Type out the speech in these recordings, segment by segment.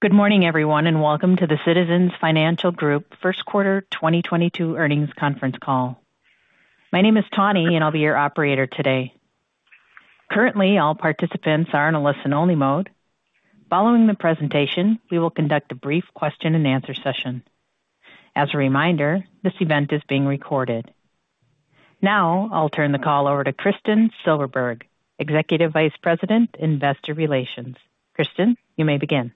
Good morning, everyone, and welcome to the Citizens Financial Group first quarter 2022 earnings conference call. My name is Tawny, and I'll be your operator today. Currently, all participants are in a listen-only mode. Following the presentation, we will conduct a brief question-and-answer session. As a reminder, this event is being recorded. Now, I'll turn the call over to Kristin Silberberg, Executive Vice President, Investor Relations. Kristin, you may begin.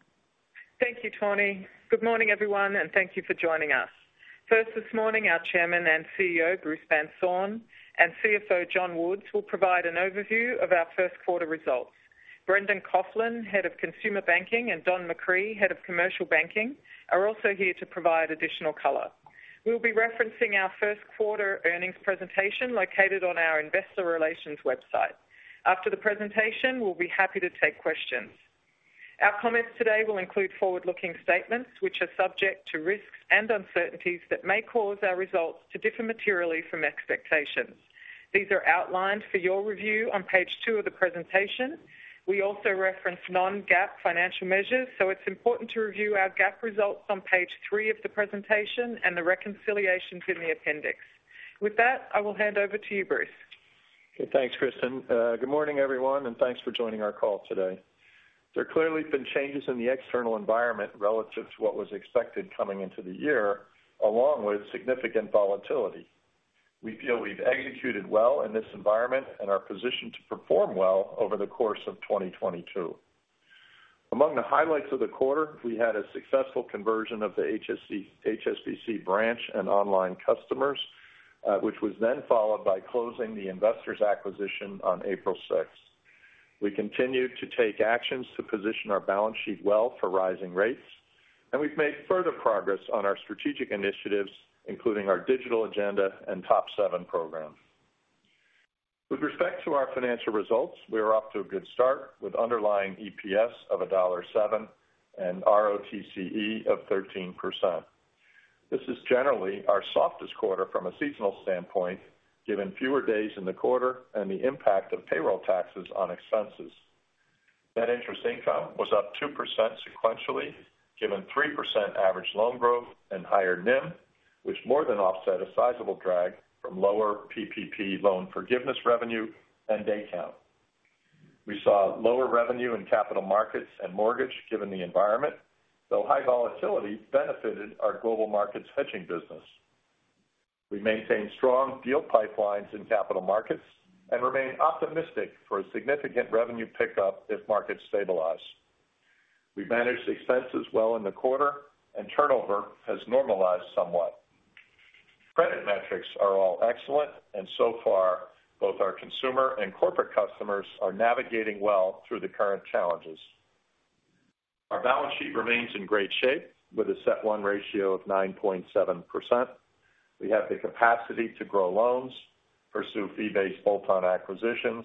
Thank you, Tawny. Good morning, everyone, and thank you for joining us. First this morning, our Chairman and CEO, Bruce Van Saun, and CFO, John Woods, will provide an overview of our first quarter results. Brendan Coughlin, Head of Consumer Banking, and Don McCree, Head of Commercial Banking, are also here to provide additional color. We'll be referencing our first quarter earnings presentation located on our investor relations website. After the presentation, we'll be happy to take questions. Our comments today will include forward-looking statements, which are subject to risks and uncertainties that may cause our results to differ materially from expectations. These are outlined for your review on page two of the presentation. We also reference non-GAAP financial measures, so it's important to review our GAAP results on page three of the presentation and the reconciliations in the appendix. With that, I will hand over to you, Bruce. Okay, thanks, Kristin. Good morning, everyone, and thanks for joining our call today. There clearly have been changes in the external environment relative to what was expected coming into the year, along with significant volatility. We feel we've executed well in this environment and are positioned to perform well over the course of 2022. Among the highlights of the quarter, we had a successful conversion of the HSBC branch and online customers, which was then followed by closing the Investors acquisition on April 6. We continued to take actions to position our balance sheet well for rising rates, and we've made further progress on our strategic initiatives, including our digital agenda and TOP seven program. With respect to our financial results, we are off to a good start with underlying EPS of $1.07 and ROTCE of 13%. This is generally our softest quarter from a seasonal standpoint, given fewer days in the quarter and the impact of payroll taxes on expenses. Net interest income was up 2% sequentially, given 3% average loan growth and higher NIM, which more than offset a sizable drag from lower PPP loan forgiveness revenue and day count. We saw lower revenue in capital markets and mortgage given the environment, though high volatility benefited our global markets hedging business. We maintained strong deal pipelines in capital markets and remain optimistic for a significant revenue pickup if markets stabilize. We've managed expenses well in the quarter and turnover has normalized somewhat. Credit metrics are all excellent, and so far, both our consumer and corporate customers are navigating well through the current challenges. Our balance sheet remains in great shape with a CET1 ratio of 9.7%. We have the capacity to grow loans, pursue fee-based bolt-on acquisitions,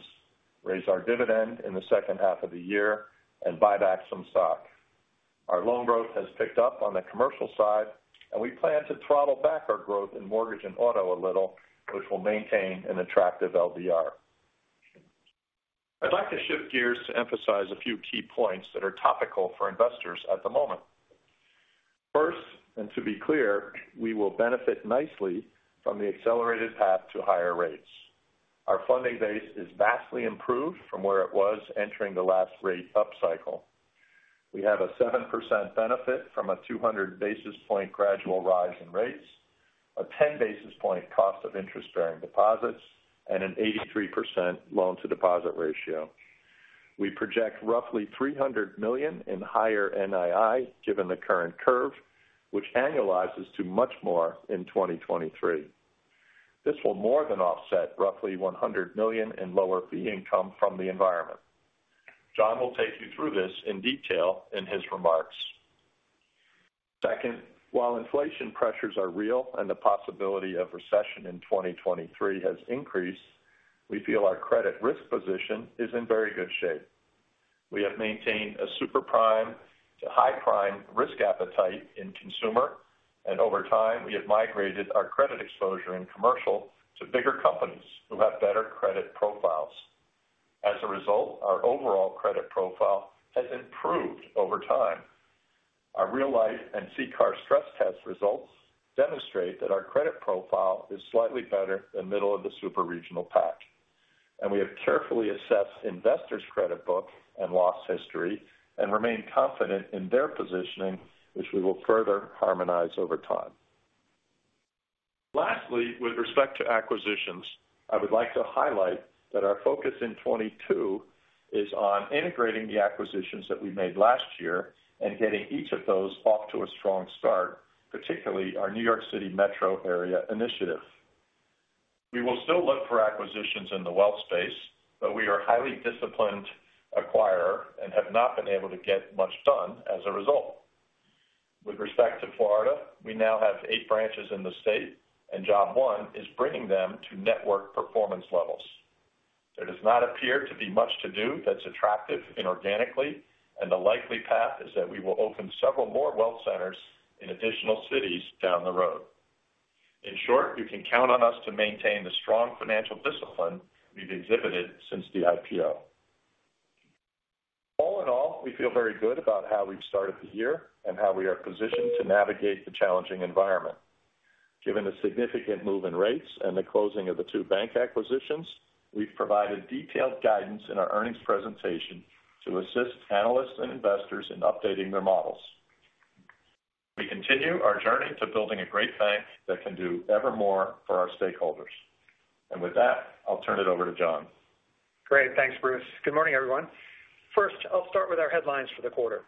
raise our dividend in the second half of the year, and buy back some stock. Our loan growth has picked up on the commercial side, and we plan to throttle back our growth in mortgage and auto a little, which will maintain an attractive LDR. I'd like to shift gears to emphasize a few key points that are topical for investors at the moment. First, to be clear, we will benefit nicely from the accelerated path to higher rates. Our funding base is vastly improved from where it was entering the last rate upcycle. We have a 7% benefit from a 200 basis points gradual rise in rates, a 10 basis points cost of interest-bearing deposits, and an 83% loan-to-deposit ratio. We project roughly $300 million in higher NII given the current curve, which annualizes to much more in 2023. This will more than offset roughly $100 million in lower fee income from the environment. John will take you through this in detail in his remarks. Second, while inflation pressures are real and the possibility of recession in 2023 has increased, we feel our credit risk position is in very good shape. We have maintained a super prime to high prime risk appetite in consumer, and over time, we have migrated our credit exposure in commercial to bigger companies who have better credit profiles. As a result, our overall credit profile has improved over time. Our real-life and CCAR stress test results demonstrate that our credit profile is slightly better than middle of the super-regional pack, and we have carefully assessed Investors' credit book and loss history and remain confident in their positioning, which we will further harmonize over time. Lastly, with respect to acquisitions, I would like to highlight that our focus in 2022 is on integrating the acquisitions that we made last year and getting each of those off to a strong start, particularly our New York City Metro area initiative. We will still look for acquisitions in the wealth space, but we are a highly disciplined acquirer and have not been able to get much done as a result. With respect to Florida, we now have eight branches in the state and job one is bringing them to network performance levels. There does not appear to be much to do that's attractive inorganically, and the likely path is that we will open several more wealth centers in additional cities down the road. In short, you can count on us to maintain the strong financial discipline we've exhibited since the IPO. All in all, we feel very good about how we've started the year and how we are positioned to navigate the challenging environment. Given the significant move in rates and the closing of the two bank acquisitions, we've provided detailed guidance in our earnings presentation to assist analysts and investors in updating their models. We continue our journey to building a great bank that can do evermore for our stakeholders. With that, I'll turn it over to John. Great. Thanks, Bruce. Good morning, everyone. First, I'll start with our headlines for the quarter.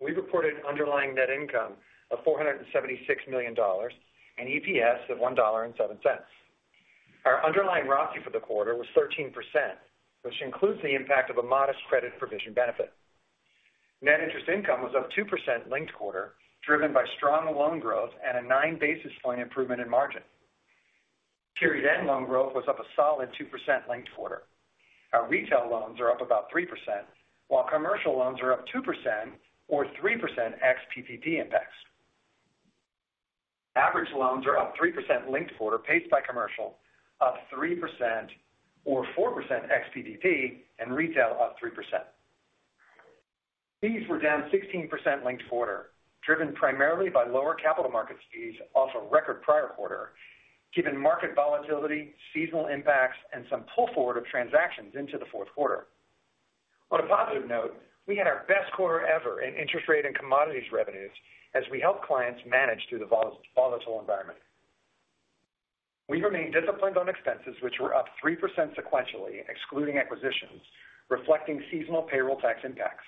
We reported underlying net income of $476 million and EPS of $1.07. Our underlying ROCE for the quarter was 13%, which includes the impact of a modest credit provision benefit. Net interest income was up 2% linked quarter, driven by strong loan growth and a 9 basis point improvement in margin. Period end loan growth was up a solid 2% linked quarter. Our retail loans are up about 3%, while commercial loans are up 2% or 3% ex-PPD impacts. Average loans are up 3% linked quarter, paced by commercial, up 3% or 4% ex-PPD, and retail up 3%. Fees were down 16% linked quarter, driven primarily by lower capital markets fees off a record prior quarter, given market volatility, seasonal impacts, and some pull forward of transactions into the fourth quarter. On a positive note, we had our best quarter ever in interest rate and commodities revenues as we help clients manage through the volatile environment. We remain disciplined on expenses which were up 3% sequentially, excluding acquisitions, reflecting seasonal payroll tax impacts.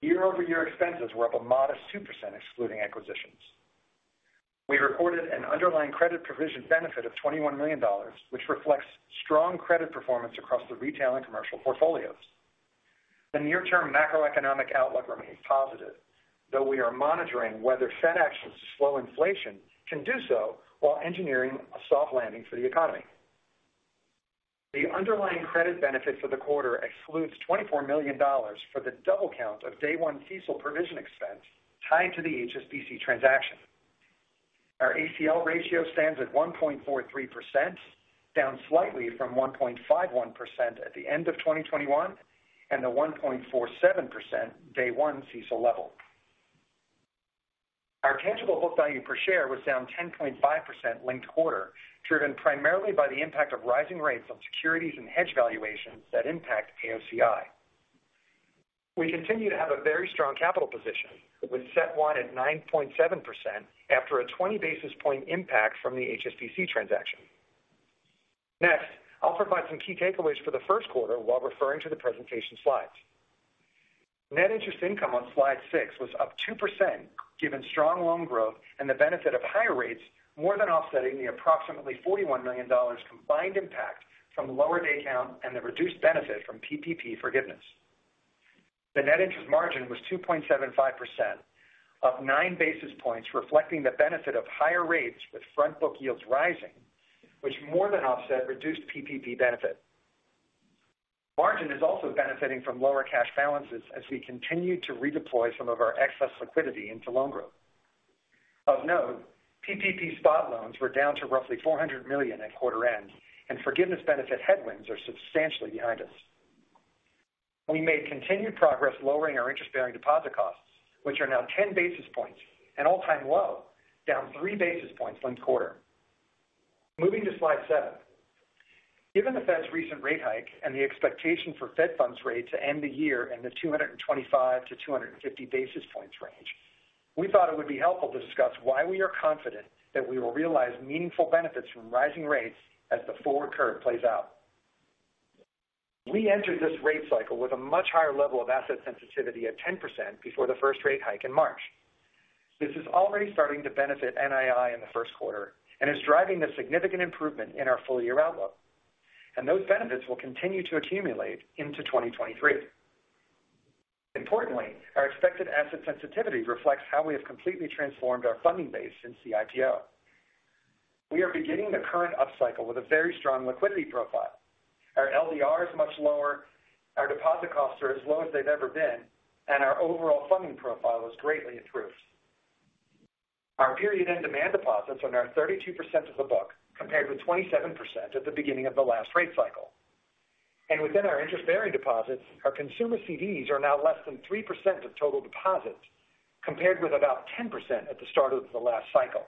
Year-over-year expenses were up a modest 2% excluding acquisitions. We recorded an underlying credit provision benefit of $21 million, which reflects strong credit performance across the retail and commercial portfolios. The near-term macroeconomic outlook remains positive, though we are monitoring whether Fed actions to slow inflation can do so while engineering a soft landing for the economy. The underlying credit benefit for the quarter excludes $24 million for the double count of day one CECL provision expense tied to the HSBC transaction. Our ACL ratio stands at 1.43%, down slightly from 1.51% at the end of 2021, and the 1.47% day one CECL level. Our tangible book value per share was down 10.5% linked quarter, driven primarily by the impact of rising rates on securities and hedge valuations that impact AOCI. We continue to have a very strong capital position with CET1 at 9.7% after a 20 basis point impact from the HSBC transaction. Next, I'll provide some key takeaways for the first quarter while referring to the presentation slides. Net interest income on slide six was up 2% given strong loan growth and the benefit of higher rates more than offsetting the approximately $41 million combined impact from lower day count and the reduced benefit from PPP forgiveness. The net interest margin was 2.75%, up 9 basis points reflecting the benefit of higher rates with front book yields rising, which more than offset reduced PPP benefit. Margin is also benefiting from lower cash balances as we continue to redeploy some of our excess liquidity into loan growth. Of note, PPP spot loans were down to roughly $400 million at quarter end, and forgiveness benefit headwinds are substantially behind us. We made continued progress lowering our interest-bearing deposit costs, which are now 10 basis points, an all-time low, down 3 basis points linked quarter. Moving to slide seven. Given the Fed's recent rate hike and the expectation for Fed funds rate to end the year in the 225-250 basis points range, we thought it would be helpful to discuss why we are confident that we will realize meaningful benefits from rising rates as the forward curve plays out. We entered this rate cycle with a much higher level of asset sensitivity at 10% before the first rate hike in March. This is already starting to benefit NII in the first quarter and is driving the significant improvement in our full-year outlook. Those benefits will continue to accumulate into 2023. Importantly, our expected asset sensitivity reflects how we have completely transformed our funding base since the IPO. We are beginning the current upcycle with a very strong liquidity profile. Our LDR is much lower, our deposit costs are as low as they've ever been, and our overall funding profile is greatly improved. Our period end demand deposits are now 32% of the book compared with 27% at the beginning of the last rate cycle. Within our interest-bearing deposits, our consumer CDs are now less than 3% of total deposits compared with about 10% at the start of the last cycle.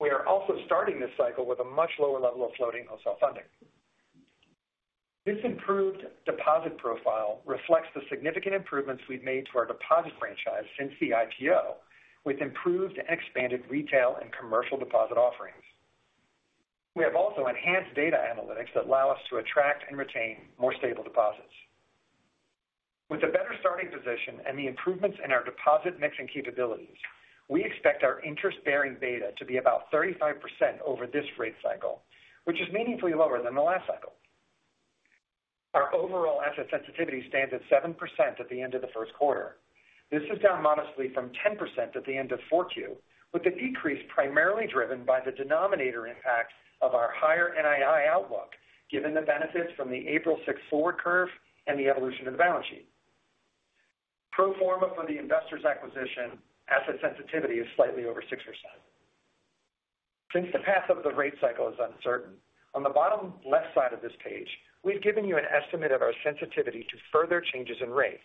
We are also starting this cycle with a much lower level of floating wholesale funding. This improved deposit profile reflects the significant improvements we've made to our deposit franchise since the IPO, with improved and expanded retail and commercial deposit offerings. We have also enhanced data analytics that allow us to attract and retain more stable deposits. With a better starting position and the improvements in our deposit mix and capabilities, we expect our interest-bearing beta to be about 35% over this rate cycle, which is meaningfully lower than the last cycle. Our overall asset sensitivity stands at 7% at the end of the first quarter. This is down modestly from 10% at the end of Q4, with the decrease primarily driven by the denominator impacts of our higher NII outlook given the benefits from the April 6 forward curve and the evolution of the balance sheet. Pro forma for the Investors acquisition asset sensitivity is slightly over 6%. Since the path of the rate cycle is uncertain, on the bottom left side of this page, we've given you an estimate of our sensitivity to further changes in rates,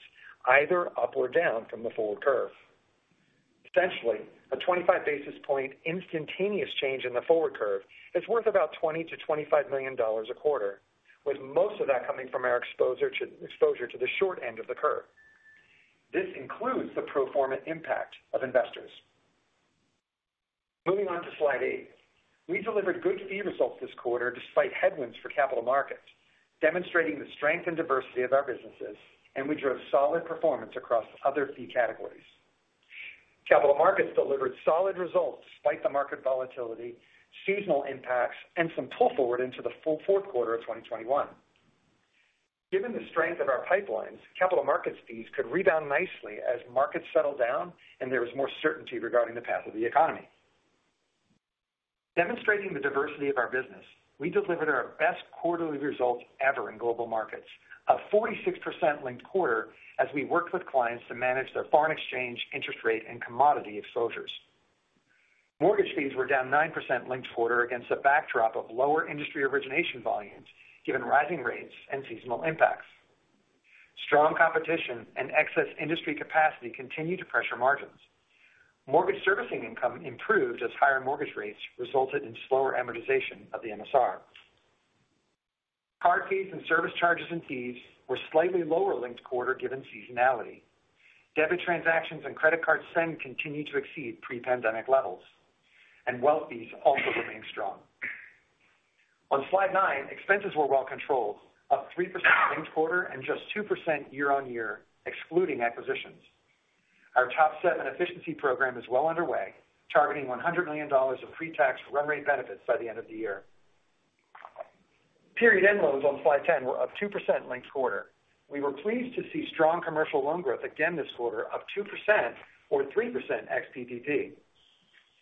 either up or down from the forward curve. Essentially, a 25 basis point instantaneous change in the forward curve is worth about $20 million-$25 million a quarter, with most of that coming from our exposure to the short end of the curve. This includes the pro forma impact of Investors. Moving on to slide eight. We delivered good fee results this quarter despite headwinds for capital markets, demonstrating the strength and diversity of our businesses, and we drove solid performance across other fee categories. Capital markets delivered solid results despite the market volatility, seasonal impacts, and some pull forward into the full fourth quarter of 2021. Given the strength of our pipelines, capital markets fees could rebound nicely as markets settle down and there is more certainty regarding the path of the economy. Demonstrating the diversity of our business, we delivered our best quarterly results ever in global markets, a 46% linked quarter as we worked with clients to manage their foreign exchange, interest rate, and commodity exposures. Mortgage fees were down 9% linked quarter against a backdrop of lower industry origination volumes given rising rates and seasonal impacts. Strong competition and excess industry capacity continue to pressure margins. Mortgage servicing income improved as higher mortgage rates resulted in slower amortization of the MSR. Card fees and service charges and fees were slightly lower linked quarter given seasonality. Debit transactions and credit card spend continue to exceed pre-pandemic levels. Wealth fees also remain strong. On slide nine, expenses were well controlled, up 3% linked quarter and just 2% year-over-year, excluding acquisitions. Our TOP seven efficiency program is well underway, targeting $100 million of pre-tax run rate benefits by the end of the year. Period end loans on slide 10 were up 2% linked quarter. We were pleased to see strong commercial loan growth again this quarter up 2% or 3% ex-PPP.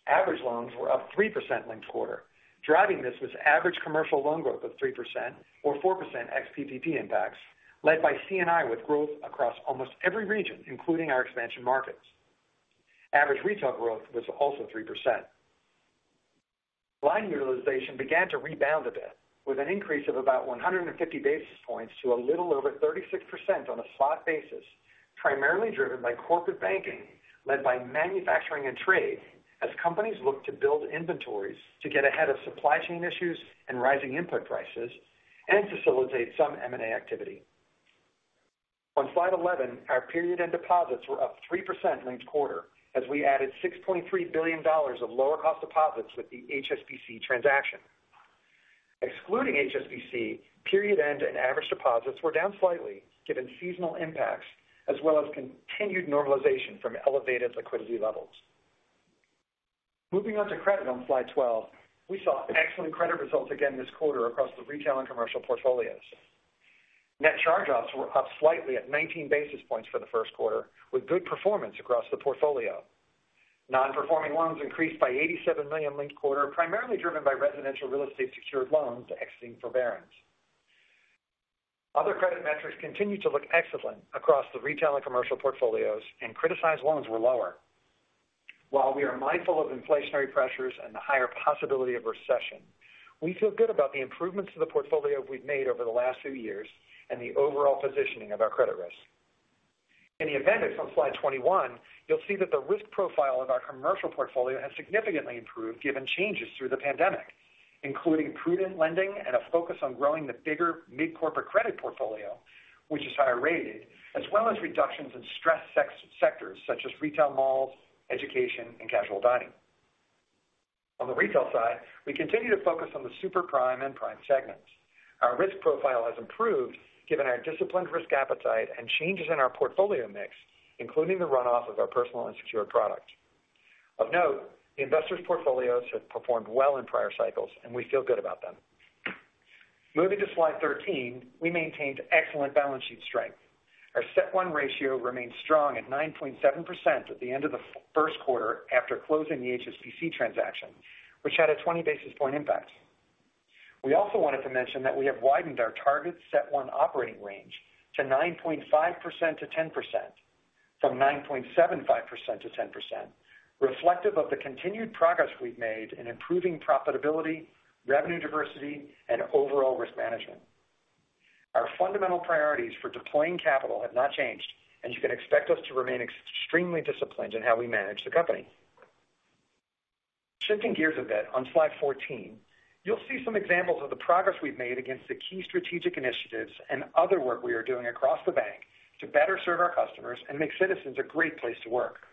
Average loans were up 3% linked quarter. Driving this was average commercial loan growth of 3% or 4% ex-PPP impacts led by C&I with growth across almost every region, including our expansion markets. Average retail growth was also 3%. Line utilization began to rebound a bit with an increase of about 150 basis points to a little over 36% on a slot basis, primarily driven by corporate banking, led by manufacturing and trade as companies look to build inventories to get ahead of supply chain issues and rising input prices and facilitate some M&A activity. On slide 11, our period end deposits were up 3% linked quarter as we added $6.3 billion of lower cost deposits with the HSBC transaction. Excluding HSBC, period end and average deposits were down slightly given seasonal impacts as well as continued normalization from elevated liquidity levels. Moving on to credit on slide 12, we saw excellent credit results again this quarter across the retail and commercial portfolios. Net charge-offs were up slightly at 19 basis points for the first quarter, with good performance across the portfolio. Non-performing loans increased by $87 million linked quarter, primarily driven by residential real estate secured loans exiting forbearance. Other credit metrics continue to look excellent across the retail and commercial portfolios, and criticized loans were lower. While we are mindful of inflationary pressures and the higher possibility of recession, we feel good about the improvements to the portfolio we've made over the last few years and the overall positioning of our credit risk. In the appendix on slide 21, you'll see that the risk profile of our commercial portfolio has significantly improved given changes through the pandemic, including prudent lending and a focus on growing the bigger mid-corporate credit portfolio, which is higher rated, as well as reductions in stressed sectors such as retail malls, education, and casual dining. On the retail side, we continue to focus on the super prime and prime segments. Our risk profile has improved given our disciplined risk appetite and changes in our portfolio mix, including the run off of our personal unsecured product. Of note, the Investors' portfolios have performed well in prior cycles, and we feel good about them. Moving to slide 13, we maintained excellent balance sheet strength. Our CET1 ratio remains strong at 9.7% at the end of the first quarter after closing the HSBC transaction, which had a 20 basis point impact. We also wanted to mention that we have widened our target CET1 operating range to 9.5%-10% from 9.75%-10%, reflective of the continued progress we've made in improving profitability, revenue diversity, and overall risk management. Our fundamental priorities for deploying capital have not changed, and you can expect us to remain extremely disciplined in how we manage the company. Shifting gears a bit on slide 14, you'll see some examples of the progress we've made against the key strategic initiatives and other work we are doing across the bank to better serve our customers and make Citizens a great place to work.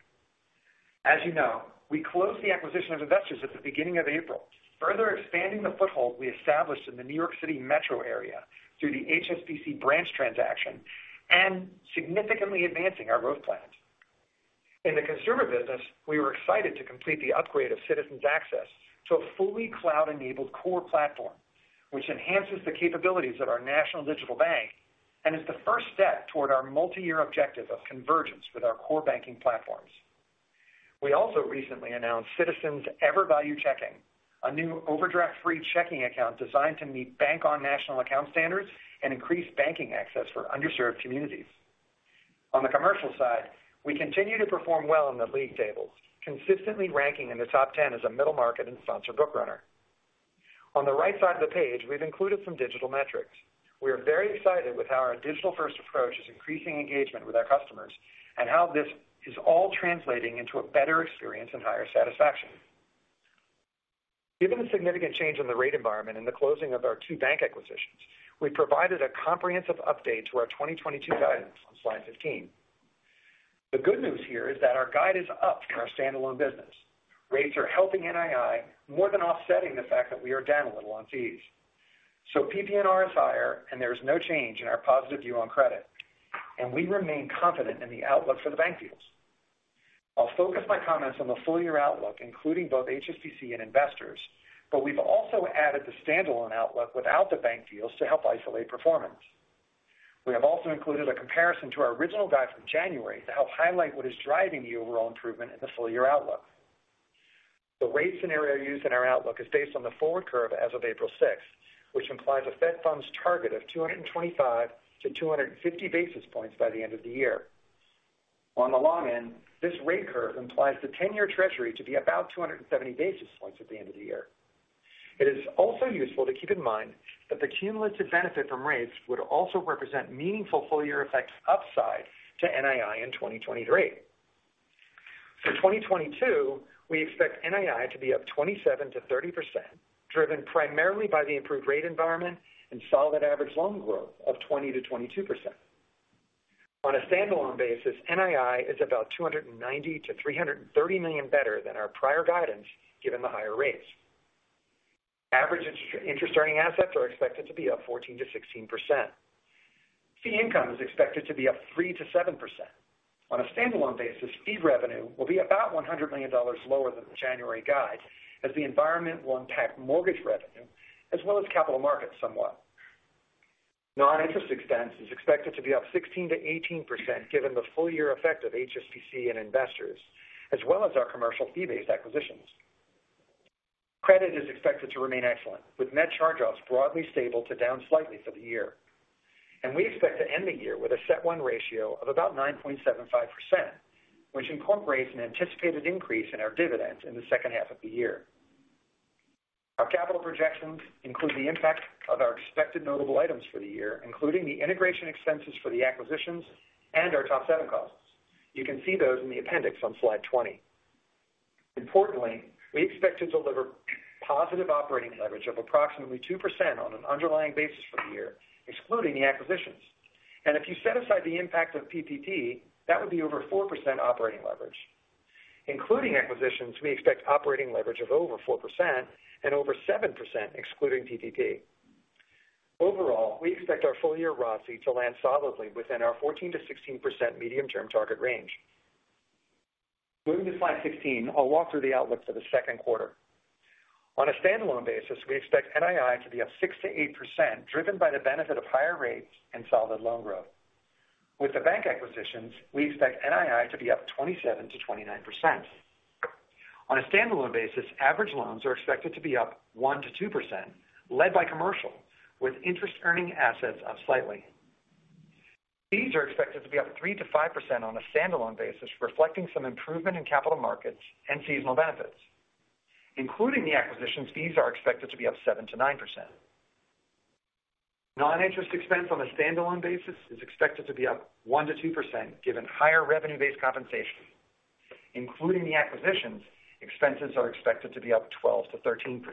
As you know, we closed the acquisition of Investors at the beginning of April, further expanding the foothold we established in the New York City metro area through the HSBC branch transaction and significantly advancing our growth plans. In the consumer business, we were excited to complete the upgrade of Citizens Access to a fully cloud-enabled core platform, which enhances the capabilities of our national digital bank and is the first step toward our multi-year objective of convergence with our core banking platforms. We also recently announced Citizens EverValue Checking, a new overdraft-free checking account designed to meet Bank On national account standards and increase banking access for underserved communities. On the commercial side, we continue to perform well in the league tables, consistently ranking in the top ten as a middle market and sponsor book runner. On the right side of the page, we've included some digital metrics. We are very excited with how our digital-first approach is increasing engagement with our customers and how this is all translating into a better experience and higher satisfaction. Given the significant change in the rate environment and the closing of our two bank acquisitions, we provided a comprehensive update to our 2022 guidance on slide 15. The good news here is that our guide is up in our standalone business. Rates are helping NII more than offsetting the fact that we are down a little on fees. PPNR is higher, and there is no change in our positive view on credit. We remain confident in the outlook for the bank deals. I'll focus my comments on the full-year outlook, including both HSBC and Investors, but we've also added the standalone outlook without the bank deals to help isolate performance. We have also included a comparison to our original guide from January to help highlight what is driving the overall improvement in the full-year outlook. The rate scenario used in our outlook is based on the forward curve as of April 6, which implies a Fed Funds target of 225-250 basis points by the end of the year. On the long end, this rate curve implies the 10-year Treasury to be about 270 basis points at the end of the year. It is also useful to keep in mind that the cumulative benefit from rates would also represent meaningful full-year effects upside to NII in 2023. For 2022, we expect NII to be up 27%-30%, driven primarily by the improved rate environment and solid average loan growth of 20%-22%. On a standalone basis, NII is about $290 million-$330 million better than our prior guidance given the higher rates. Average interest-earning assets are expected to be up 14%-16%. Fee income is expected to be up 3%-7%. On a standalone basis, fee revenue will be about $100 million lower than the January guide as the environment will impact mortgage revenue as well as capital markets somewhat. Non-interest expense is expected to be up 16%-18% given the full-year effect of HSBC and Investors, as well as our commercial fee-based acquisitions. Credit is expected to remain excellent, with net charge-offs broadly stable to down slightly for the year. We expect to end the year with a CET1 ratio of about 9.75%, which incorporates an anticipated increase in our dividends in the second half of the year. Our capital projections include the impact of our expected notable items for the year, including the integration expenses for the acquisitions and our TOP 7 costs. You can see those in the appendix on slide 20. Importantly, we expect to deliver positive operating leverage of approximately 2% on an underlying basis for the year, excluding the acquisitions. If you set aside the impact of PPP, that would be over 4% operating leverage. Including acquisitions, we expect operating leverage of over 4% and over 7% excluding PPP. Overall, we expect our full-year ROCE to land solidly within our 14%-16% medium-term target range. Moving to slide 16, I'll walk through the outlook for the second quarter. On a standalone basis, we expect NII to be up 6%-8%, driven by the benefit of higher rates and solid loan growth. With the bank acquisitions, we expect NII to be up 27%-29%. On a standalone basis, average loans are expected to be up 1%-2%, led by commercial, with interest earning assets up slightly. Fees are expected to be up 3%-5% on a standalone basis, reflecting some improvement in capital markets and seasonal benefits. Including the acquisitions, fees are expected to be up 7%-9%. Non-interest expense on a standalone basis is expected to be up 1%-2% given higher revenue-based compensation. Including the acquisitions, expenses are expected to be up 12%-13%.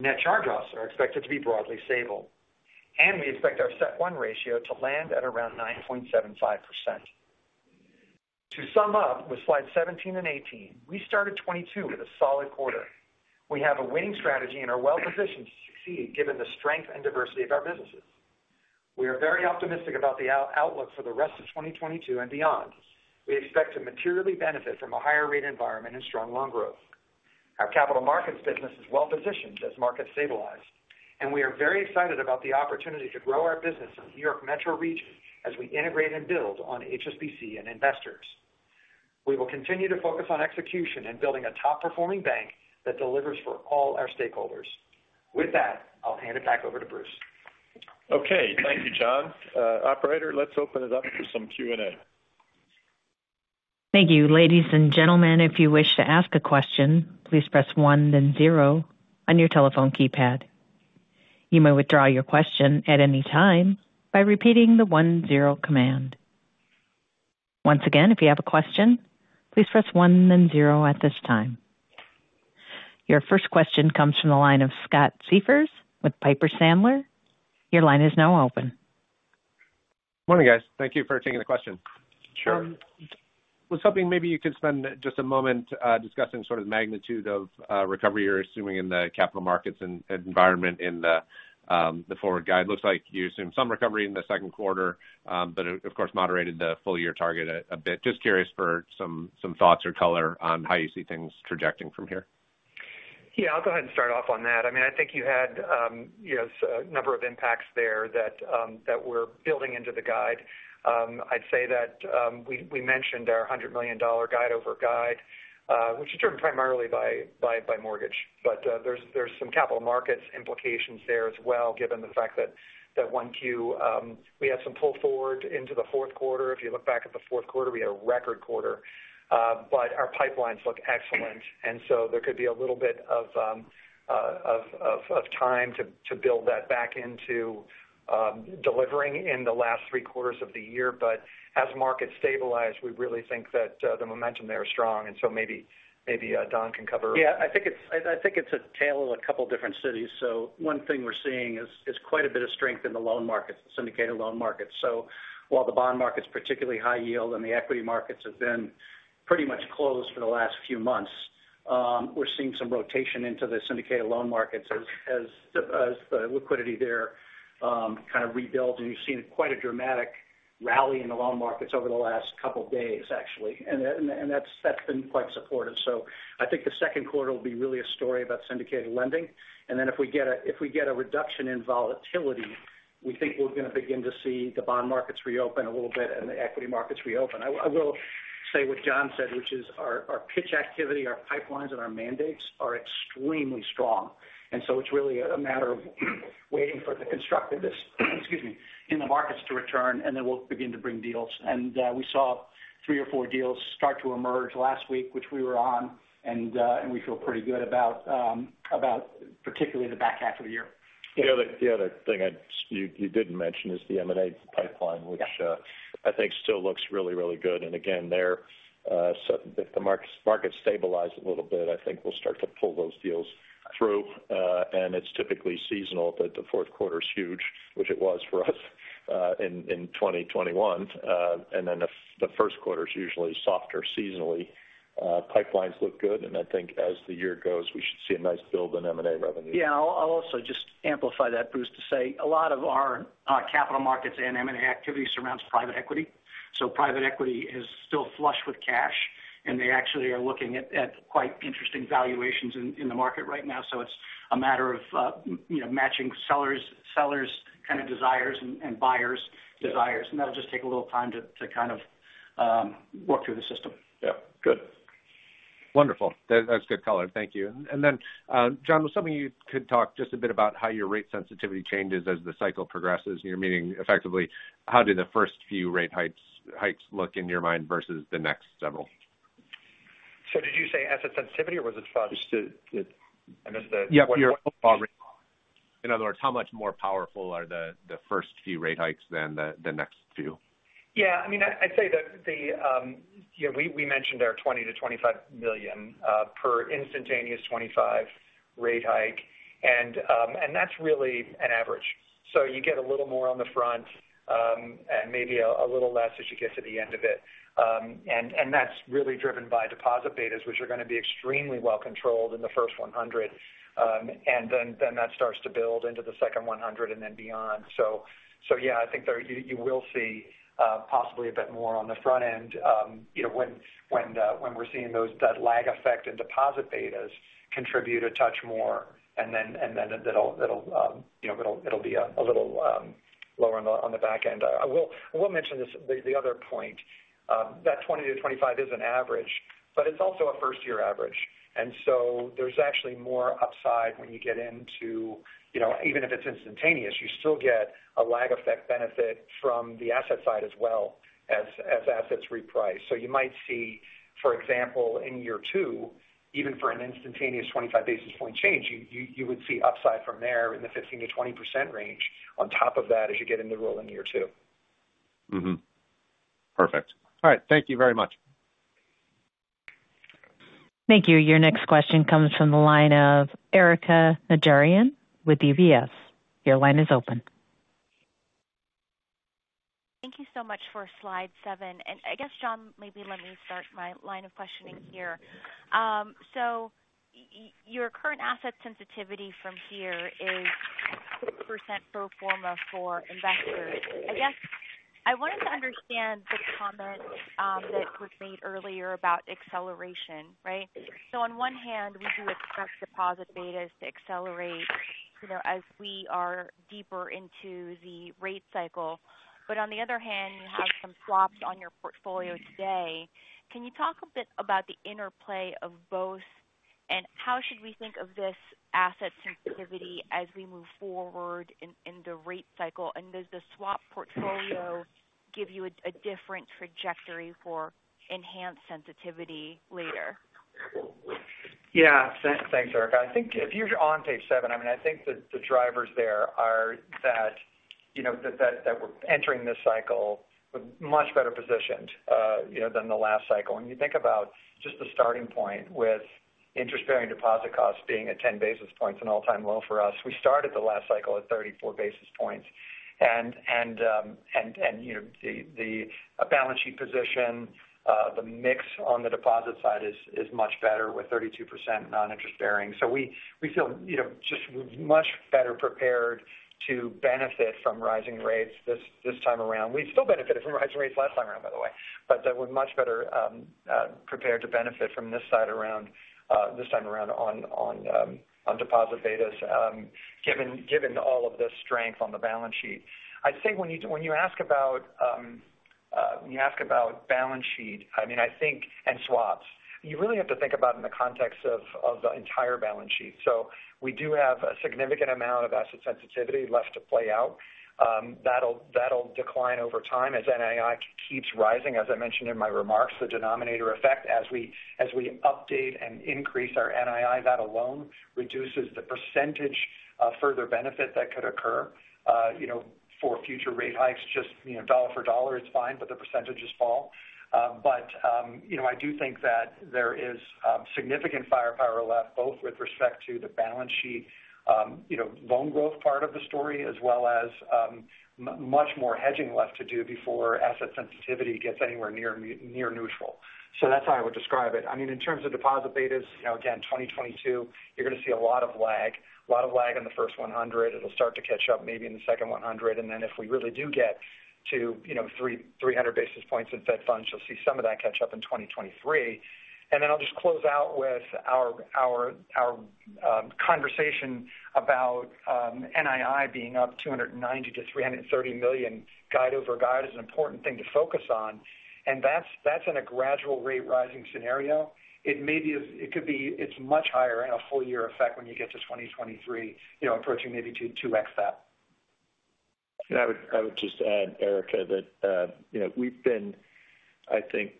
Net charge-offs are expected to be broadly stable, and we expect our CET1 ratio to land at around 9.75%. To sum up with slide 17 and 18, we started 2022 with a solid quarter. We have a winning strategy and are well-positioned to succeed given the strength and diversity of our businesses. We are very optimistic about the outlook for the rest of 2022 and beyond. We expect to materially benefit from a higher rate environment and strong loan growth. Our capital markets business is well-positioned as markets stabilize, and we are very excited about the opportunity to grow our business in the New York metro region as we integrate and build on HSBC and Investors. We will continue to focus on execution and building a top-performing bank that delivers for all our stakeholders. With that, I'll hand it back over to Bruce. Okay. Thank you, John. Operator, let's open it up for some Q&A. Thank you. Ladies and gentlemen, if you wish to ask a question, please press one then zero on your telephone keypad. You may withdraw your question at any time by repeating the one-zero command. Once again, if you have a question, please press one then zero at this time. Your first question comes from the line of Scott Siefers with Piper Sandler. Your line is now open. Morning, guys. Thank you for taking the question. Sure. I was hoping maybe you could spend just a moment, discussing sort of the magnitude of recovery you're assuming in the capital markets and environment in the forward guide. Looks like you assumed some recovery in the second quarter, but of course moderated the full-year target a bit. Just curious for some thoughts or color on how you see things trajecting from here. Yeah, I'll go ahead and start off on that. I mean, I think you had a number of impacts there that we're building into the guide. I'd say that we mentioned our $100 million guide over guide, which is driven primarily by mortgage. There's some capital markets implications there as well, given the fact that Q1 we had some pull forward into the fourth quarter. If you look back at the fourth quarter, we had a record quarter, but our pipelines look excellent. There could be a little bit of time to build that back into delivering in the last three quarters of the year. As markets stabilize, we really think that the momentum there is strong. Maybe Don can cover. Yeah, I think it's a tale of a couple different cities. One thing we're seeing is quite a bit of strength in the loan markets, the syndicated loan markets. While the bond market, particularly high-yield, and the equity markets have been pretty much closed for the last few months, we're seeing some rotation into the syndicated loan markets as the liquidity there kind of rebuilds. You've seen quite a dramatic rally in the loan markets over the last couple days, actually. That's been quite supportive. I think the second quarter will be really a story about syndicated lending. If we get a reduction in volatility, we think we're going to begin to see the bond markets reopen a little bit and the equity markets reopen. I will say what John said, which is our pitch activity, our pipelines, and our mandates are extremely strong. It's really a matter of waiting for the constructiveness, excuse me, in the markets to return, and then we'll begin to bring deals. We saw 3 or 4 deals start to emerge last week, which we were on. We feel pretty good about particularly the back half of the year. The other thing I'd say you didn't mention is the M&A pipeline, which I think still looks really good. Again, so if the markets stabilize a little bit, I think we'll start to pull those deals through. It's typically seasonal that the fourth quarter is huge, which it was for us in 2021. Pipelines look good, and I think as the year goes, we should see a nice build in M&A revenue. Yeah. I'll also just amplify that, Bruce, to say a lot of our capital markets and M&A activity surrounds private equity. So private equity is still flush with cash, and they actually are looking at quite interesting valuations in the market right now. So it's a matter of, you know, matching sellers kind of desires and buyers' desires, and that'll just take a little time to kind of work through the system. Yeah. Good. Wonderful. That's good color. Thank you. John, one thing you could talk just a bit about how your rate sensitivity changes as the cycle progresses, and you mean effectively, how do the first few rate hikes look in your mind versus the next several? Did you say asset sensitivity, or was it just? Just the I missed the- Yeah. Your rate. In other words, how much more powerful are the first few rate hikes than the next few? Yeah. I mean, I'd say the you know, we mentioned our $20 million-$25 million per instantaneous 25 rate hike. That's really an average. You get a little more on the front and maybe a little less as you get to the end of it. That's really driven by deposit betas, which are going to be extremely well controlled in the first 100. Then that starts to build into the second 100 and then beyond. Yeah, I think there you will see possibly a bit more on the front end, you know, when we're seeing that lag effect and deposit betas contribute a touch more, and then it'll be a little lower on the back end. I will mention this, the other point. That 20-25% is an average, but it's also a first-year average. There's actually more upside when you get into, you know, even if it's instantaneous, you still get a lag effect benefit from the asset side as well as assets reprice. You might see, for example, in year two, even for an instantaneous 25 basis point change, you would see upside from there in the 15%-20% range on top of that as you get into roll in year two. Mm-hmm. Perfect. All right. Thank you very much. Thank you. Your next question comes from the line of Erika Najarian with UBS. Your line is open. Thank you so much for slide seven. I guess, John, maybe let me start my line of questioning here. Your current asset sensitivity from here is 6% pro forma for Investors. I guess I wanted to understand the comment that was made earlier about acceleration, right? On one hand, we do expect deposit betas to accelerate, you know, as we are deeper into the rate cycle. On the other hand, you have some swaps on your portfolio today. Can you talk a bit about the interplay of both and how should we think of this asset sensitivity as we move forward in the rate cycle? Does the swap portfolio give you a different trajectory for enhanced sensitivity later? Yeah. Thanks, Erika. I think if you're on page seven, I mean, I think the drivers there are that, you know, we're entering this cycle much better positioned than the last cycle. When you think about just the starting point with interest-bearing deposit costs being at 10 basis points, an all-time low for us. We started the last cycle at 34 basis points. The balance sheet position, the mix on the deposit side is much better with 32% non-interest-bearing. So we feel, you know, just much better prepared to benefit from rising rates this time around. We still benefited from rising rates last time around, by the way, but we're much better prepared to benefit from this cycle around this time around on deposit betas, given all of the strength on the balance sheet. I'd say when you ask about the balance sheet and swaps, you really have to think about in the context of the entire balance sheet. So we do have a significant amount of asset sensitivity left to play out. That'll decline over time as NII keeps rising. As I mentioned in my remarks, the denominator effect as we update and increase our NII, that alone reduces the percentage of further benefit that could occur, you know, for future rate hikes. Just, you know, dollar for dollar it's fine, but the percentages fall. You know, I do think that there is significant firepower left, both with respect to the balance sheet, you know, loan growth part of the story, as well as much more hedging left to do before asset sensitivity gets anywhere near neutral. That's how I would describe it. I mean, in terms of deposit betas, you know, again, 2022, you're gonna see a lot of lag. A lot of lag in the first 100. It'll start to catch up maybe in the second 100. Then if we really do get to, you know, 300 basis points in Fed funds, you'll see some of that catch up in 2023. I'll just close out with our conversation about NII being up $290 million-$330 million. Guide over guide is an important thing to focus on, and that's in a gradual rate rising scenario. It's much higher in a full year effect when you get to 2023, you know, approaching maybe 2x that. I would just add, Erika, that, you know, we've been, I think,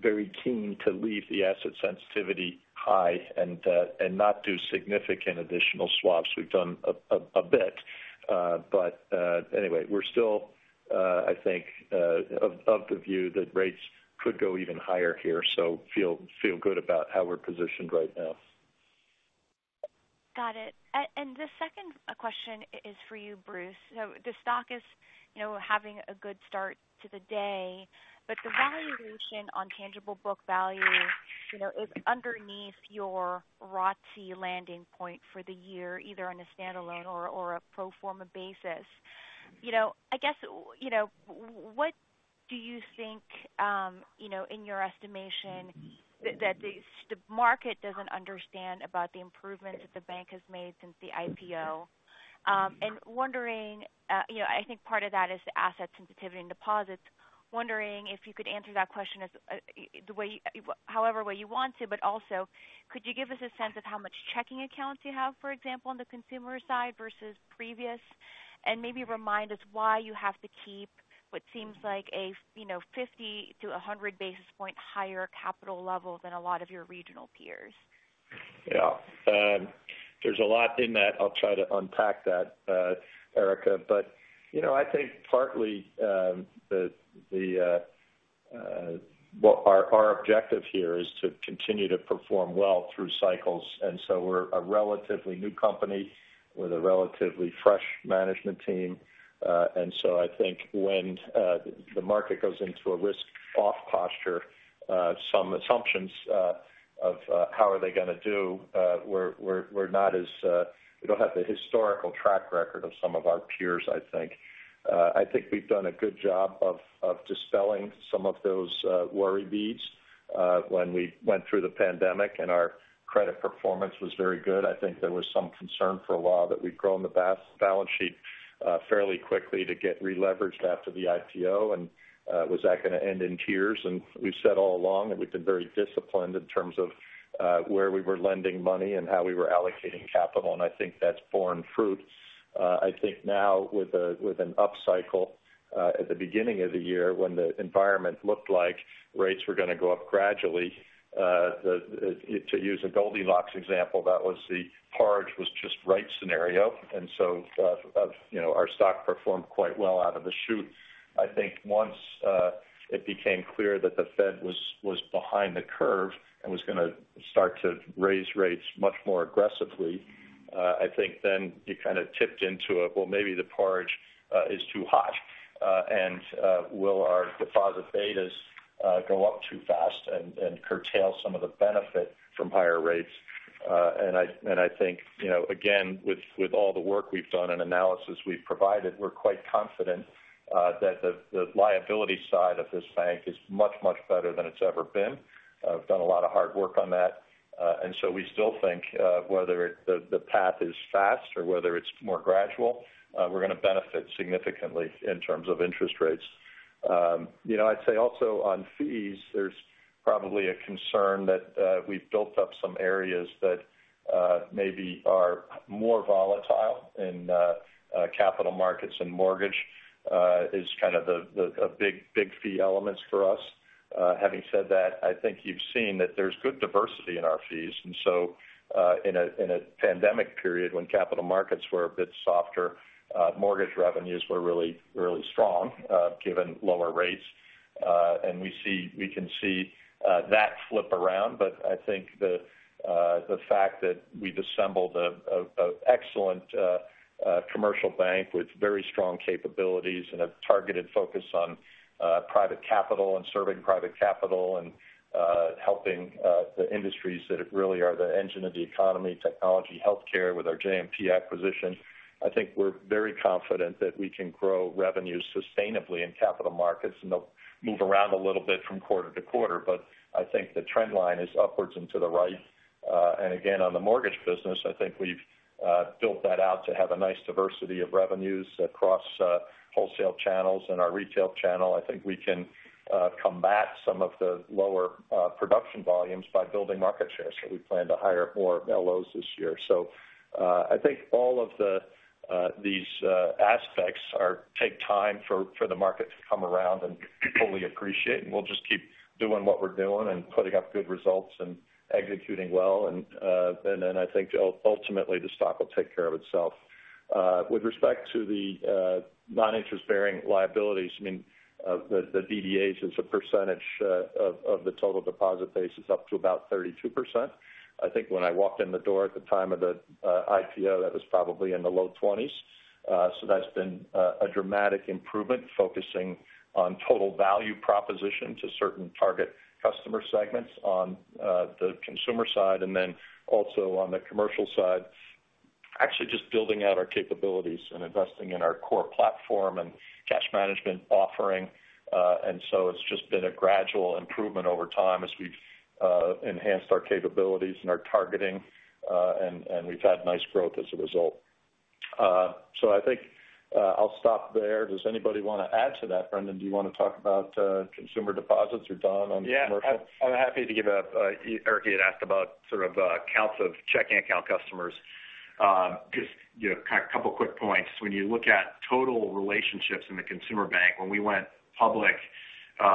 very keen to leave the asset sensitivity high and not do significant additional swaps. We've done a bit, but anyway, we're still, I think, of the view that rates could go even higher here, so feel good about how we're positioned right now. Got it. The second question is for you, Bruce. The stock is having a good start to the day, but the valuation on tangible book value is underneath your ROTCE landing point for the year, either on a standalone or a pro forma basis. What do you think in your estimation that the market doesn't understand about the improvements that the bank has made since the IPO? I think part of that is the asset sensitivity and deposits. Wondering if you could answer that question as the way however way you want to, but also could you give us a sense of how much checking accounts you have, for example, on the consumer side versus previous? Maybe remind us why you have to keep what seems like a, you know, 50-100 basis point higher capital level than a lot of your regional peers. Yeah. There's a lot in that. I'll try to unpack that, Erika. You know, I think partly, well, our objective here is to continue to perform well through cycles. We're a relatively new company with a relatively fresh management team. I think when the market goes into a risk off posture, some assumptions of how are they gonna do. We're not as we don't have the historical track record of some of our peers, I think. I think we've done a good job of dispelling some of those worry beads when we went through the pandemic and our credit performance was very good. I think there was some concern for a while that we'd grown the balance sheet fairly quickly to get releveraged after the IPO, and was that gonna end in tears? We've said all along that we've been very disciplined in terms of where we were lending money and how we were allocating capital, and I think that's borne fruit. I think now with an upcycle at the beginning of the year when the environment looked like rates were gonna go up gradually, to use a Goldilocks example, that was the porridge was just right scenario. You know, our stock performed quite well out of the chute. I think once it became clear that the Fed was behind the curve and was gonna start to raise rates much more aggressively, I think then you kind of tipped into a well, maybe the porridge is too hot, and will our deposit betas go up too fast and curtail some of the benefit from higher rates. I think you know again with all the work we've done and analysis we've provided, we're quite confident that the liability side of this bank is much better than it's ever been. I've done a lot of hard work on that. We still think whether the path is fast or whether it's more gradual, we're gonna benefit significantly in terms of interest rates. You know, I'd say also on fees, there's probably a concern that we've built up some areas that maybe are more volatile and capital markets and mortgage is kind of a big fee elements for us. Having said that, I think you've seen that there's good diversity in our fees. In a pandemic period when capital markets were a bit softer, mortgage revenues were really strong, given lower rates. We can see that flip around. I think the fact that we've assembled an excellent commercial bank with very strong capabilities and a targeted focus on private capital and serving private capital and helping the industries that really are the engine of the economy, technology, health care with our JMP acquisition. I think we're very confident that we can grow revenues sustainably in capital markets, and they'll move around a little bit from quarter to quarter. I think the trend line is upwards and to the right. Again, on the mortgage business, I think we've built that out to have a nice diversity of revenues across wholesale channels and our retail channel. I think we can combat some of the lower production volumes by building market share. We plan to hire more LOs this year. I think all of these aspects take time for the market to come around and fully appreciate. We'll just keep doing what we're doing and putting up good results and executing well. Then I think ultimately, the stock will take care of itself. With respect to the non-interest-bearing liabilities, I mean, the DDAs as a percentage of the total deposit base is up to about 32%. I think when I walked in the door at the time of the IPO, that was probably in the low 20s. That's been a dramatic improvement focusing on total value proposition to certain target customer segments on the consumer side and then also on the commercial side. Actually, just building out our capabilities and investing in our core platform and cash management offering. It's just been a gradual improvement over time as we've enhanced our capabilities and our targeting, and we've had nice growth as a result. I think I'll stop there. Does anybody want to add to that? Brendan, do you want to talk about consumer deposits or Don on commercial? Yeah. I'm happy to give. Erika had asked about sort of, counts of checking account customers. Just, you know, kind of couple quick points. When you look at total relationships in the consumer bank, when we went public,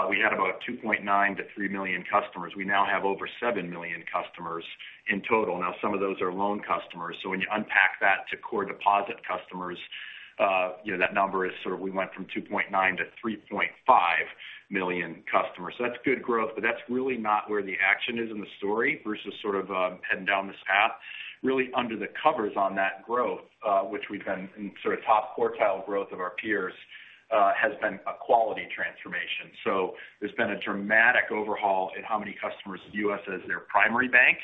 we had about 2.9-3 million customers. We now have over seven million customers in total. Now, some of those are loan customers. When you unpack that to core deposit customers, you know, that number is sort of we went from 2.9-3.5 million customers. That's good growth, but that's really not where the action is in the story versus sort of, heading down this path. Really under the covers on that growth, which we've been in sort of top quartile growth of our peers, has been a quality transformation. There's been a dramatic overhaul in how many customers view us as their primary bank.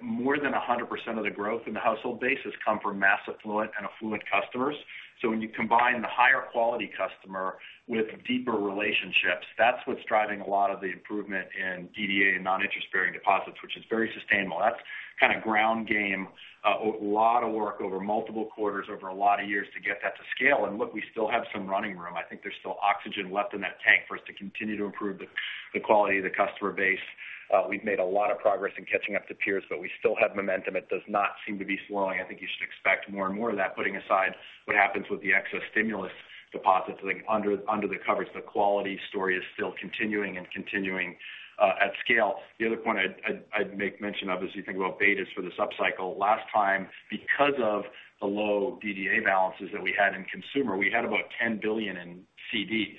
More than 100% of the growth in the household base has come from mass affluent and affluent customers. When you combine the higher quality customer with deeper relationships, that's what's driving a lot of the improvement in DDA and non-interest-bearing deposits, which is very sustainable. That's kind of ground game, a lot of work over multiple quarters over a lot of years to get that to scale. Look, we still have some running room. I think there's still oxygen left in that tank for us to continue to improve the quality of the customer base. We've made a lot of progress in catching up to peers, but we still have momentum. It does not seem to be slowing. I think you should expect more and more of that, putting aside what happens with the excess stimulus deposits. I think under the covers, the quality story is still continuing at scale. The other point I'd make mention of as you think about betas for this upcycle. Last time, because of the low DDA balances that we had in consumer, we had about $10 billion in CDs.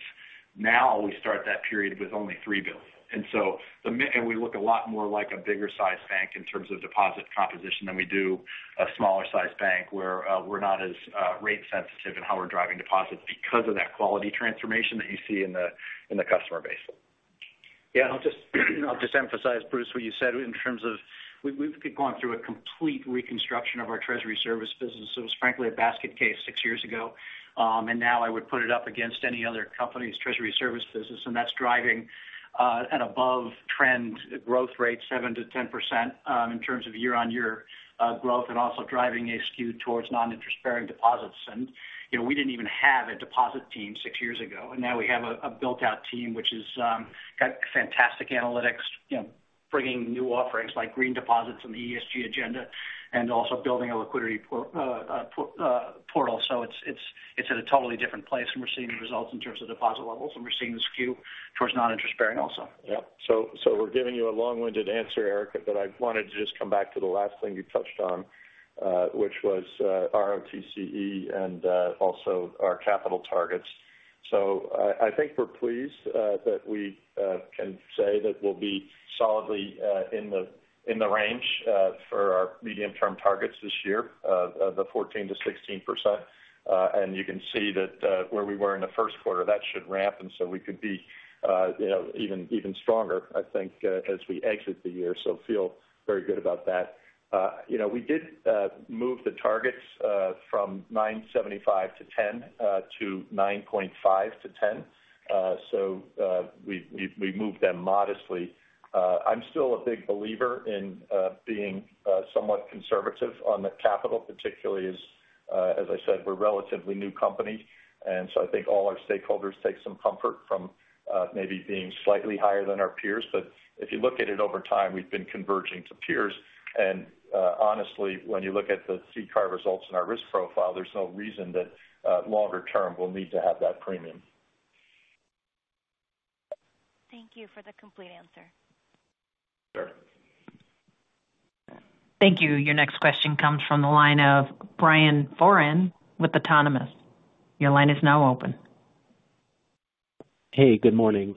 Now we start that period with only $3 billion. We look a lot more like a bigger sized bank in terms of deposit composition than we do a smaller sized bank where we're not as rate sensitive in how we're driving deposits because of that quality transformation that you see in the customer base. I'll just emphasize, Bruce, what you said in terms of we've been going through a complete reconstruction of our treasury service business. It was frankly a basket case six years ago. Now I would put it up against any other company's treasury service business, and that's driving an above trend growth rate, 7%-10%, in terms of year-on-year growth and also driving a skew towards non-interest-bearing deposits. You know, we didn't even have a deposit team six years ago, and now we have a built-out team which is got fantastic analytics, you know, bringing new offerings like green deposits and the ESG agenda, and also building a liquidity portal. It's at a totally different place, and we're seeing the results in terms of deposit levels, and we're seeing the skew towards non-interest-bearing also. Yeah. We're giving you a long-winded answer, Erika, but I wanted to just come back to the last thing you touched on, which was ROTCE and also our capital targets. I think we're pleased that we can say that we'll be solidly in the range for our medium-term targets this year, the 14%-16%. And you can see that where we were in the first quarter, that should ramp. We could be, you know, even stronger, I think, as we exit the year. We feel very good about that. You know, we did move the targets from 9.75%-10% to 9.5%-10%. We moved them modestly. I'm still a big believer in being somewhat conservative on the capital particularly as I said, we're a relatively new company. I think all our stakeholders take some comfort from maybe being slightly higher than our peers. If you look at it over time, we've been converging to peers. Honestly, when you look at the CCAR results and our risk profile, there's no reason that longer term we'll need to have that premium. Thank you for the complete answer. Sure. Thank you. Your next question comes from the line of Brian Foran with Autonomous. Your line is now open. Hey, good morning.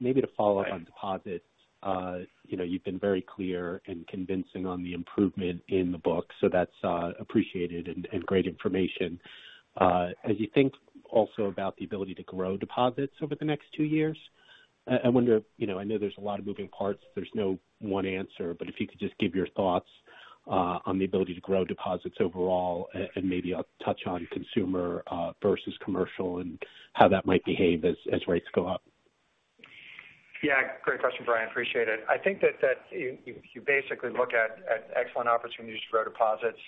Maybe to follow up on deposits. You know, you've been very clear and convincing on the improvement in the book, so that's appreciated and great information. As you think also about the ability to grow deposits over the next two years, I wonder if you know, I know there's a lot of moving parts. There's no one answer. If you could just give your thoughts on the ability to grow deposits overall and maybe a touch on consumer versus commercial and how that might behave as rates go up. Yeah. Great question, Brian. Appreciate it. I think that if you basically look at excellent opportunities to grow deposits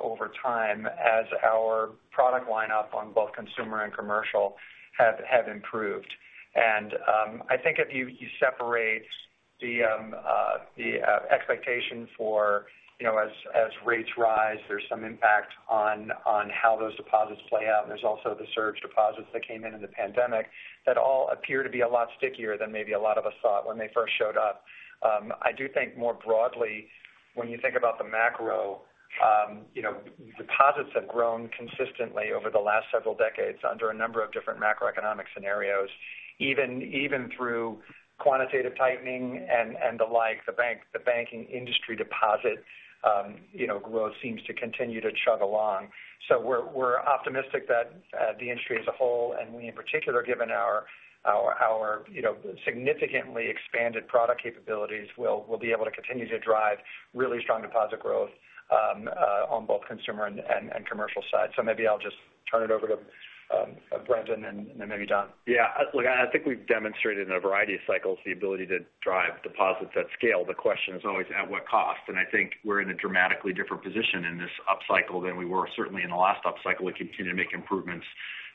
over time as our product lineup on both consumer and commercial have improved. I think if you separate the expectation for, you know, as rates rise, there's some impact on how those deposits play out. There's also the surge deposits that came in in the pandemic that all appear to be a lot stickier than maybe a lot of us thought when they first showed up. I do think more broadly, when you think about the macro, you know, deposits have grown consistently over the last several decades under a number of different macroeconomic scenarios. Even through quantitative tightening and the like, the banking industry deposit, you know, growth seems to continue to chug along. We're optimistic that the industry as a whole and we, in particular, given our you know significantly expanded product capabilities, will be able to continue to drive really strong deposit growth on both consumer and commercial side. Maybe I'll just turn it over to Brendan and then maybe John. Yeah. Look, I think we've demonstrated in a variety of cycles the ability to drive deposits at scale. The question is always at what cost. I think we're in a dramatically different position in this upcycle than we were certainly in the last upcycle. We continue to make improvements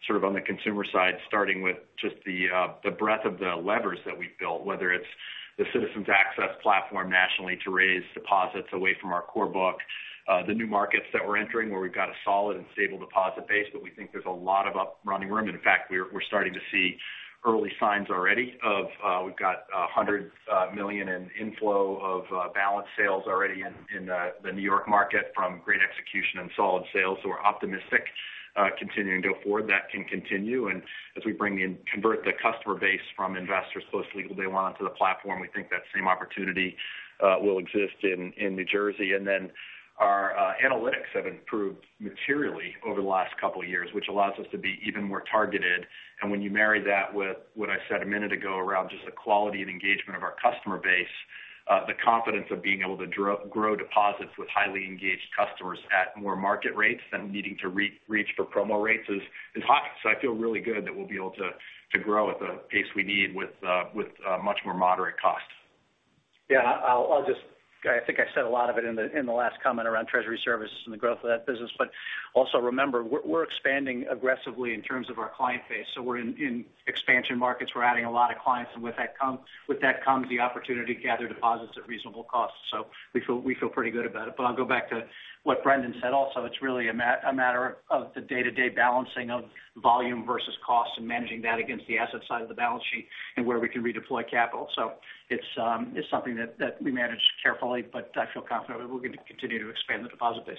sort of on the consumer side, starting with just the breadth of the levers that we've built, whether it's the Citizens Access platform nationally to raise deposits away from our core book. The new markets that we're entering where we've got a solid and stable deposit base, but we think there's a lot of running room. In fact, we're starting to see early signs already of we've got $100 million in inflow of balance sales already in the New York market from great execution and solid sales. We're optimistic continuing to go forward. That can continue. As we convert the customer base from investors post legal day one onto the platform, we think that same opportunity will exist in New Jersey. Our analytics have improved materially over the last couple of years, which allows us to be even more targeted. When you marry that with what I said a minute ago around just the quality and engagement of our customer base, the confidence of being able to grow deposits with highly engaged customers at more market rates than needing to reach for promo rates is high. I feel really good that we'll be able to grow at the pace we need with much more moderate costs. Yeah. I think I said a lot of it in the last comment around treasury services and the growth of that business. Also remember, we're expanding aggressively in terms of our client base. We're in expansion markets. We're adding a lot of clients, and with that comes the opportunity to gather deposits at reasonable costs. We feel pretty good about it. I'll go back to what Brendan said. Also, it's really a matter of the day-to-day balancing of volume versus cost and managing that against the asset side of the balance sheet and where we can redeploy capital. It's something that we manage carefully, but I feel confident that we're going to continue to expand the deposit base.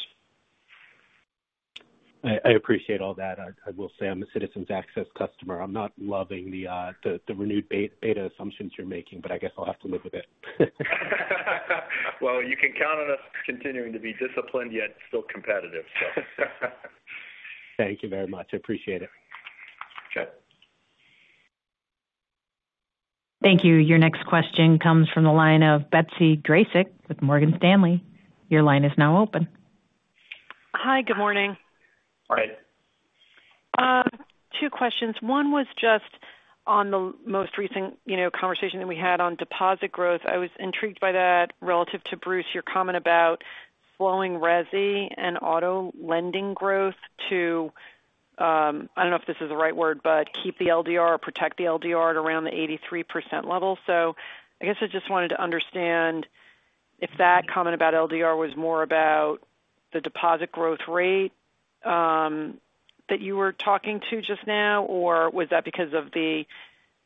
I appreciate all that. I will say I'm a Citizens Access customer. I'm not loving the renewed beta assumptions you're making, but I guess I'll have to live with it. Well, you can count on us continuing to be disciplined yet still competitive, so. Thank you very much. I appreciate it. Okay. Thank you. Your next question comes from the line of Betsy Graseck with Morgan Stanley. Your line is now open. Hi. Good morning. Morning. Two questions. One was just on the most recent, you know, conversation that we had on deposit growth. I was intrigued by that relative to Bruce, your comment about slowing resi and auto lending growth to, I don't know if this is the right word, but keep the LDR or protect the LDR at around the 83% level. I guess I just wanted to understand if that comment about LDR was more about the deposit growth rate, that you were talking about just now, or was that because of the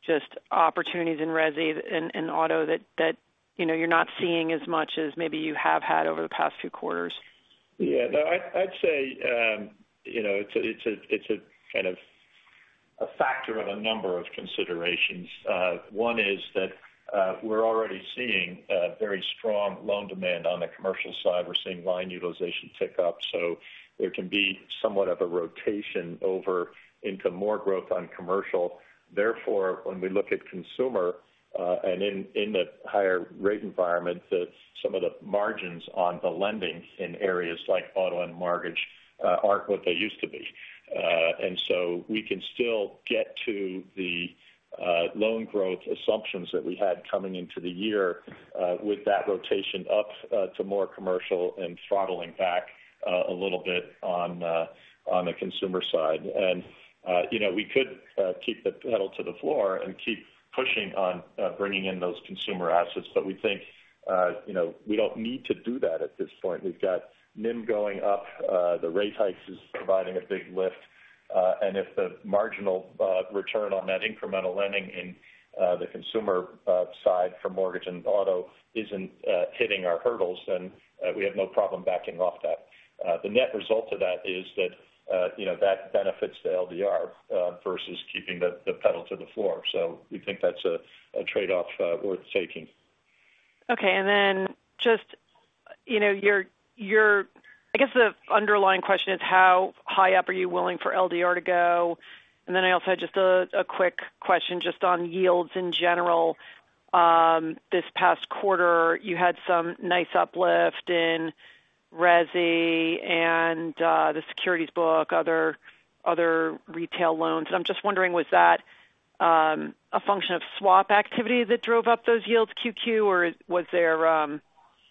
just opportunities in resi and in auto that, you know, you're not seeing as much as maybe you have had over the past few quarters? Yeah. No, I'd say, you know, it's a kind of a factor of a number of considerations. One is that we're already seeing very strong loan demand on the commercial side. We're seeing line utilization tick up. There can be somewhat of a rotation over into more growth on commercial. Therefore, when we look at consumer and in the higher rate environment, some of the margins on the lending in areas like auto and mortgage aren't what they used to be. We can still get to the loan growth assumptions that we had coming into the year with that rotation up to more commercial and throttling back a little bit on the consumer side. You know, we could keep the pedal to the floor and keep pushing on bringing in those consumer assets. We think you know we don't need to do that at this point. We've got NIM going up. The rate hikes is providing a big lift. If the marginal return on that incremental lending in the consumer side for mortgage and auto isn't hitting our hurdles, then we have no problem backing off that. The net result of that is that you know that benefits the LDR versus keeping the pedal to the floor. We think that's a trade-off worth taking. Okay. Just, you know, I guess the underlying question is how high up are you willing for LDR to go? I also had just a quick question just on yields in general. This past quarter, you had some nice uplift in resi and the securities book, other retail loans. I'm just wondering, was that a function of swap activity that drove up those yields QQ or was there.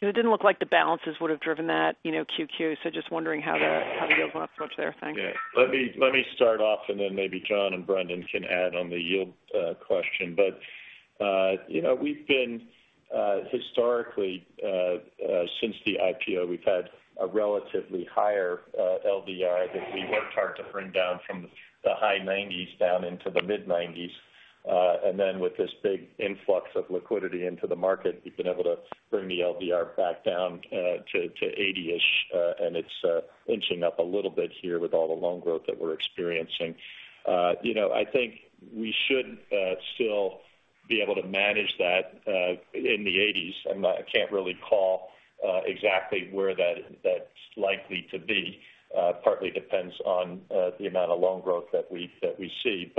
It didn't look like the balances would have driven that, you know, QQ. Just wondering how the yields went up there. Thanks. Yeah. Let me start off, and then maybe John and Brendan can add on the yield question. You know, we've been historically since the IPO, we've had a relatively higher LDR that we worked hard to bring down from the high 90s down into the mid-90s. Then with this big influx of liquidity into the market, we've been able to bring the LDR back down to 80-ish. It's inching up a little bit here with all the loan growth that we're experiencing. You know, I think we should still be able to manage that in the 80s. I can't really call exactly where that's likely to be. Partly depends on the amount of loan growth that we see.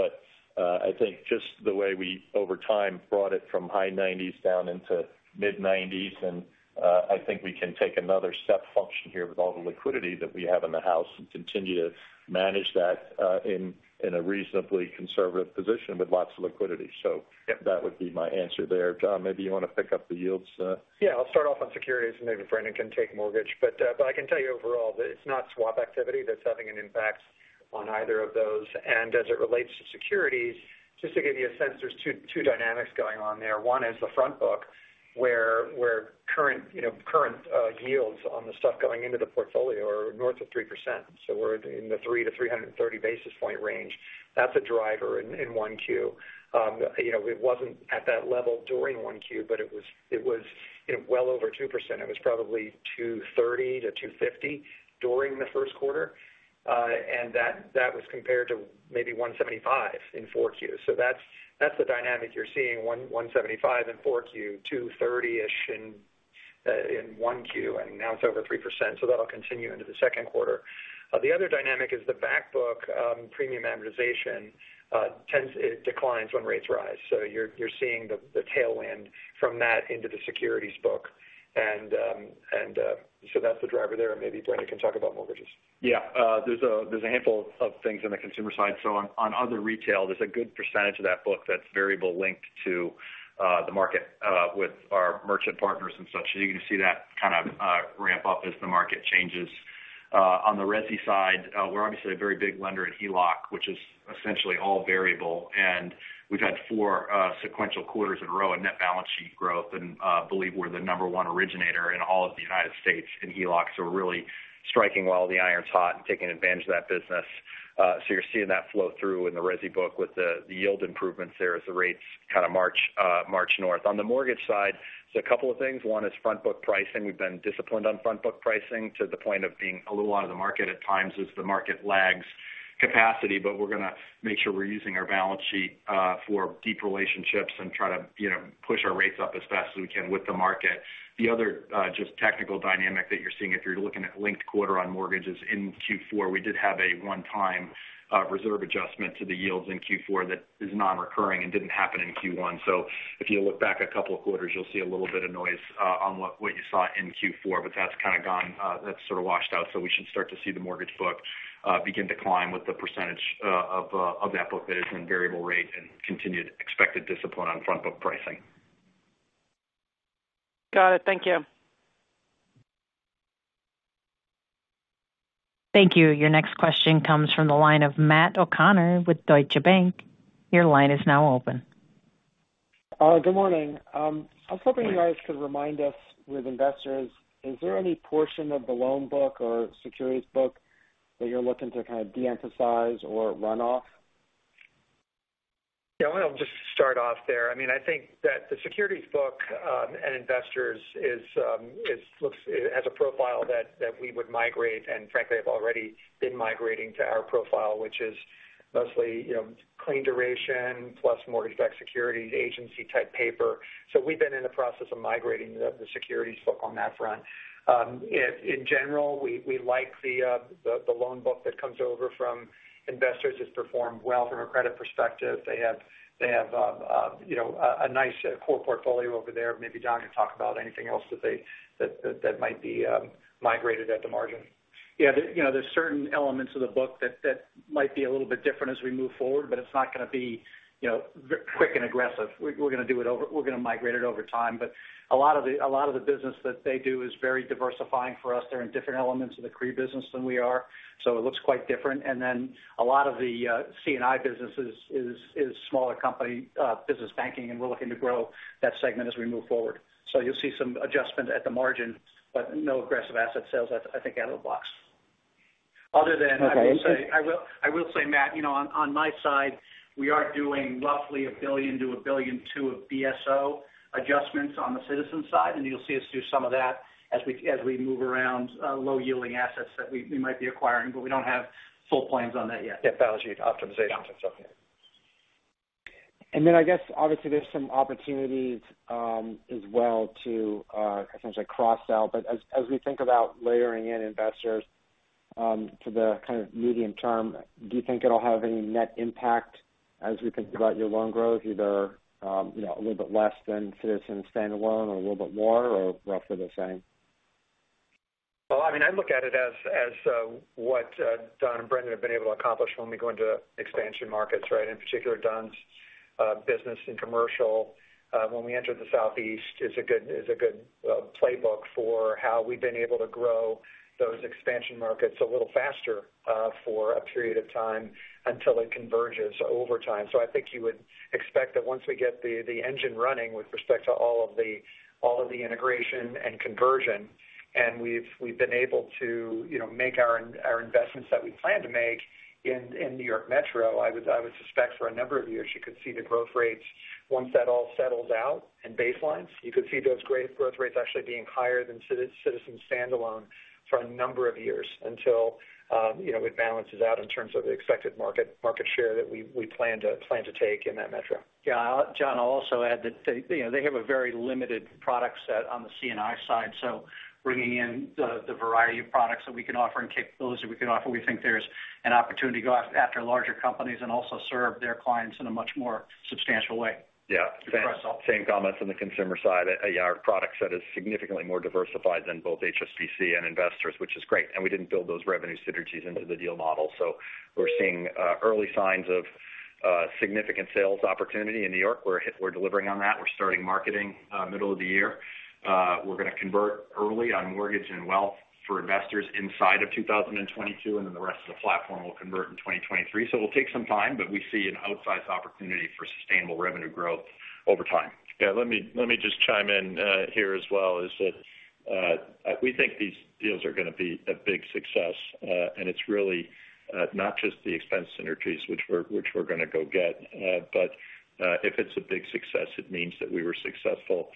I think just the way we, over time, brought it from high 90s down into mid-90s, and I think we can take another step function here with all the liquidity that we have in the house and continue to manage that, in a reasonably conservative position with lots of liquidity. So that would be my answer there. John, maybe you want to pick up the yields. Yeah, I'll start off on securities, and maybe Brendan can take mortgage. But I can tell you overall that it's not swap activity that's having an impact on either of those. As it relates to securities, just to give you a sense, there's two dynamics going on there. One is the front book, where current, you know, current yields on the stuff going into the portfolio are north of 3%. So we're in the 300-330 basis point range. That's a driver in 1Q. You know, it wasn't at that level during 1Q, but it was, you know, well over 2%. It was probably 230-250 during the first quarter. That was compared to maybe 175 in 4Q. That's the dynamic you're seeing, 1.175 in 4Q, 2.30-ish in 1Q, and now it's over 3%. That'll continue into the second quarter. The other dynamic is the back book premium amortization. It declines when rates rise. You're seeing the tailwind from that into the securities book. That's the driver there. Maybe Brendan can talk about mortgages. Yeah, there's a handful of things on the consumer side. On other retail, there's a good percentage of that book that's variable linked to the market with our merchant partners and such. You're going to see that kind of ramp up as the market changes. On the resi side, we're obviously a very big lender in HELOC, which is essentially all variable, and we've had four sequential quarters in a row of net balance sheet growth, and believe we're the number one originator in all of the United States in HELOC. We're really striking while the iron is hot and taking advantage of that business. You're seeing that flow through in the resi book with the yield improvements there as the rates kind of march north. On the mortgage side, there's a couple of things. One is front book pricing. We've been disciplined on front book pricing to the point of being a little out of the market at times as the market lags capacity. But we're going to make sure we're using our balance sheet for deep relationships and try to, you know, push our rates up as fast as we can with the market. The other, just technical dynamic that you're seeing if you're looking at linked quarter on mortgages in Q4, we did have a one-time, reserve adjustment to the yields in Q4 that is non-recurring and didn't happen in Q1. So if you look back a couple of quarters, you'll see a little bit of noise, on what you saw in Q4, but that's kind of gone. That's sort of washed out, so we should start to see the mortgage book begin to climb with the percentage of that book that is in variable rate and continued expected discipline on front book pricing. Got it. Thank you. Thank you. Your next question comes from the line of Matt O'Connor with Deutsche Bank. Your line is now open. Good morning. I was hoping you guys could remind us with Investors, is there any portion of the loan book or securities book that you're looking to kind of de-emphasize or run off? Yeah, I'll just start off there. I mean, I think that the securities book and Investors looks like it has a profile that we would migrate, and frankly, have already been migrating to our profile, which is mostly, you know, clean duration plus mortgage-backed securities agency type paper. We've been in the process of migrating the securities book on that front. In general, we like the loan book that comes over from Investors. It's performed well from a credit perspective. They have you know, a nice core portfolio over there. Maybe John can talk about anything else that might be migrated at the margin. Yeah, you know, there's certain elements of the book that might be a little bit different as we move forward, but it's not going to be, you know, quick and aggressive. We're going to migrate it over time. A lot of the business that they do is very diversifying for us. They're in different elements of the CRE business than we are, so it looks quite different. A lot of the C&I businesses is smaller company business banking, and we're looking to grow that segment as we move forward. You'll see some adjustment at the margin, but no aggressive asset sales, I think, out of the box. Other than I will say, Matt, you know, on my side, we are doing roughly $1 billion-$1.2 billion of BSO adjustments on the Citizens side, and you'll see us do some of that as we move around low-yielding assets that we might be acquiring, but we don't have full plans on that yet. Yeah. Balance sheet optimizations and stuff. Yeah. I guess obviously there's some opportunities, as well to, essentially cross sell. But as we think about layering in Investors, to the kind of medium term, do you think it'll have any net impact as we think about your loan growth, either, you know, a little bit less than Citizens standalone or a little bit more or roughly the same? Well, I mean, I look at it as what Don and Brendan have been able to accomplish when we go into expansion markets, right? In particular, Don's business and commercial when we entered the Southeast is a good playbook for how we've been able to grow those expansion markets a little faster for a period of time until it converges over time. I think you would expect that once we get the engine running with respect to all of the integration and conversion, and we've been able to, you know, make our investments that we plan to make in New York Metro, I would suspect for a number of years you could see the growth rates. Once that all settles out and baselines, you could see those great growth rates actually being higher than Citizens standalone for a number of years until, you know, it balances out in terms of the expected market share that we plan to take in that metro. John, I'll also add that they, you know, they have a very limited product set on the C&I side, so bringing in the variety of products that we can offer and capabilities that we can offer, we think there's an opportunity to go after larger companies and also serve their clients in a much more substantial way. Yeah. To cross sell. Same comments on the consumer side. Our product set is significantly more diversified than both HSBC and Investors, which is great. We didn't build those revenue synergies into the deal model. We're seeing early signs of significant sales opportunity in New York. We're delivering on that. We're starting marketing middle of the year. We're gonna convert early on mortgage and wealth for Investors inside of 2022, and then the rest of the platform will convert in 2023. It'll take some time, but we see an outsized opportunity for sustainable revenue growth over time. Yeah. Let me just chime in here as well, that is, we think these deals are gonna be a big success. It's really not just the expense synergies which we're gonna go get. But if it's a big success, it means that we were successful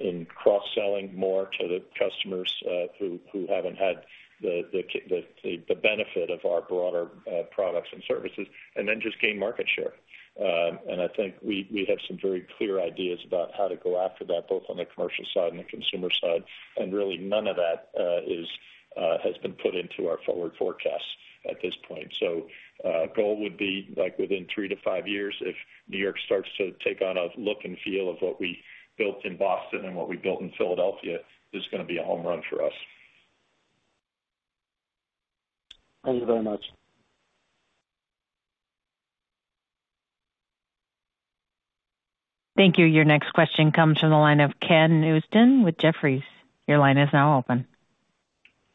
in cross-selling more to the customers who haven't had the benefit of our broader products and services, and then just gain market share. I think we have some very clear ideas about how to go after that, both on the commercial side and the consumer side. Really none of that has been put into our forward forecast at this point. The goal would be like within three-five years, if New York starts to take on a look and feel of what we built in Boston and what we built in Philadelphia, it's gonna be a home run for us. Thank you very much. Thank you. Your next question comes from the line of Ken Usdin with Jefferies. Your line is now open.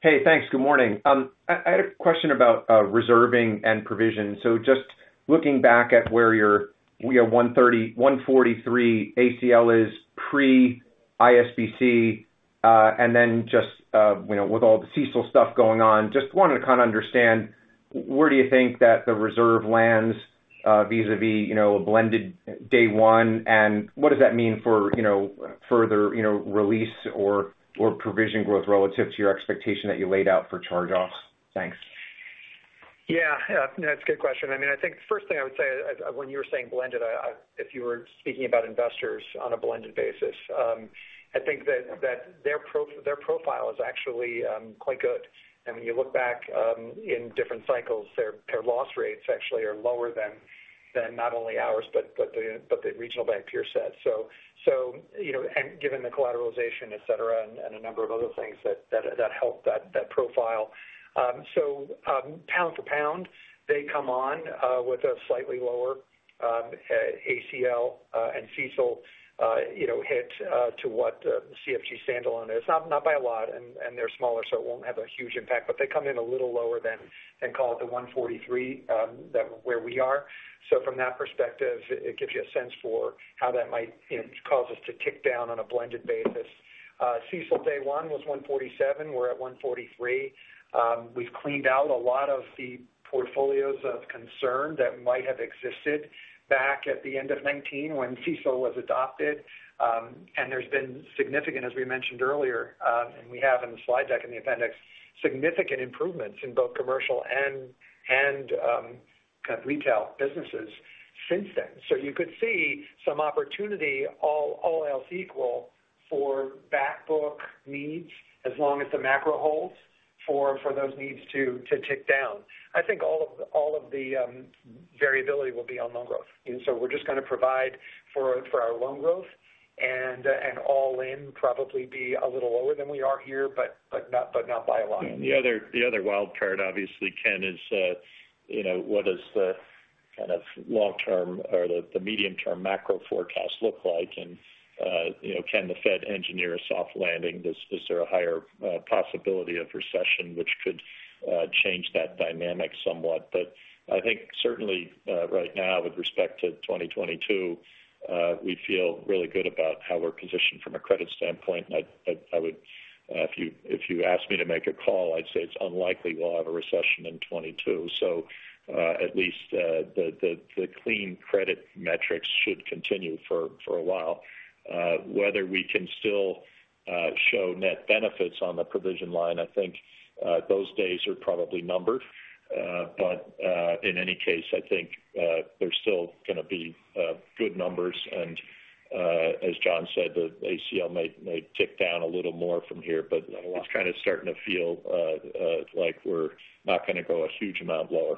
Hey, thanks. Good morning. I had a question about reserving and provision. Just looking back at where your, you know, 143 ACL is pre ISBC, and then just, you know, with all the CECL stuff going on, just wanted to kind of understand where do you think that the reserve lands, vis-a-vis, you know, a blended day one, and what does that mean for, you know, further, you know, release or provision growth relative to your expectation that you laid out for charge-offs? Thanks. Yeah. Yeah. No, it's a good question. I mean, I think the first thing I would say when you were saying blended, if you were speaking about Investors on a blended basis, I think that their profile is actually quite good. I mean, you look back in different cycles, their loss rates actually are lower than not only ours but the regional bank peer set. So you know, and given the collateralization, et cetera, and a number of other things that help that profile. So, pound for pound, they come in with a slightly lower ACL and CECL you know hit than what the CFG standalone is. Not by a lot, and they're smaller, so it won't have a huge impact, but they come in a little lower than call it the 143, that's where we are. So from that perspective, it gives you a sense for how that might, you know, cause us to tick down on a blended basis. CECL day one was 147. We're at 143. We've cleaned out a lot of the portfolios of concern that might have existed back at the end of 2019 when CECL was adopted. There's been significant, as we mentioned earlier, and we have in the slide deck in the appendix, significant improvements in both commercial and kind of retail businesses since then. You could see some opportunity, all else equal, for back book needs as long as the macro holds for those needs to tick down. I think all of the variability will be on loan growth. We're just gonna provide for our loan growth and all in probably be a little lower than we are here, but not by a lot. The other wild card obviously, Ken, is what is the kind of long term or the medium term macro forecast look like? Can the Fed engineer a soft landing? Is there a higher possibility of recession which could change that dynamic somewhat? I think certainly right now with respect to 2022, we feel really good about how we're positioned from a credit standpoint. If you ask me to make a call, I'd say it's unlikely we'll have a recession in 2022. At least the clean credit metrics should continue for a while. Whether we can still show net benefits on the provision line, I think those days are probably numbered. In any case, I think there's still gonna be good numbers. As John said, the ACL may tick down a little more from here. It's kind of starting to feel like we're not gonna go a huge amount lower.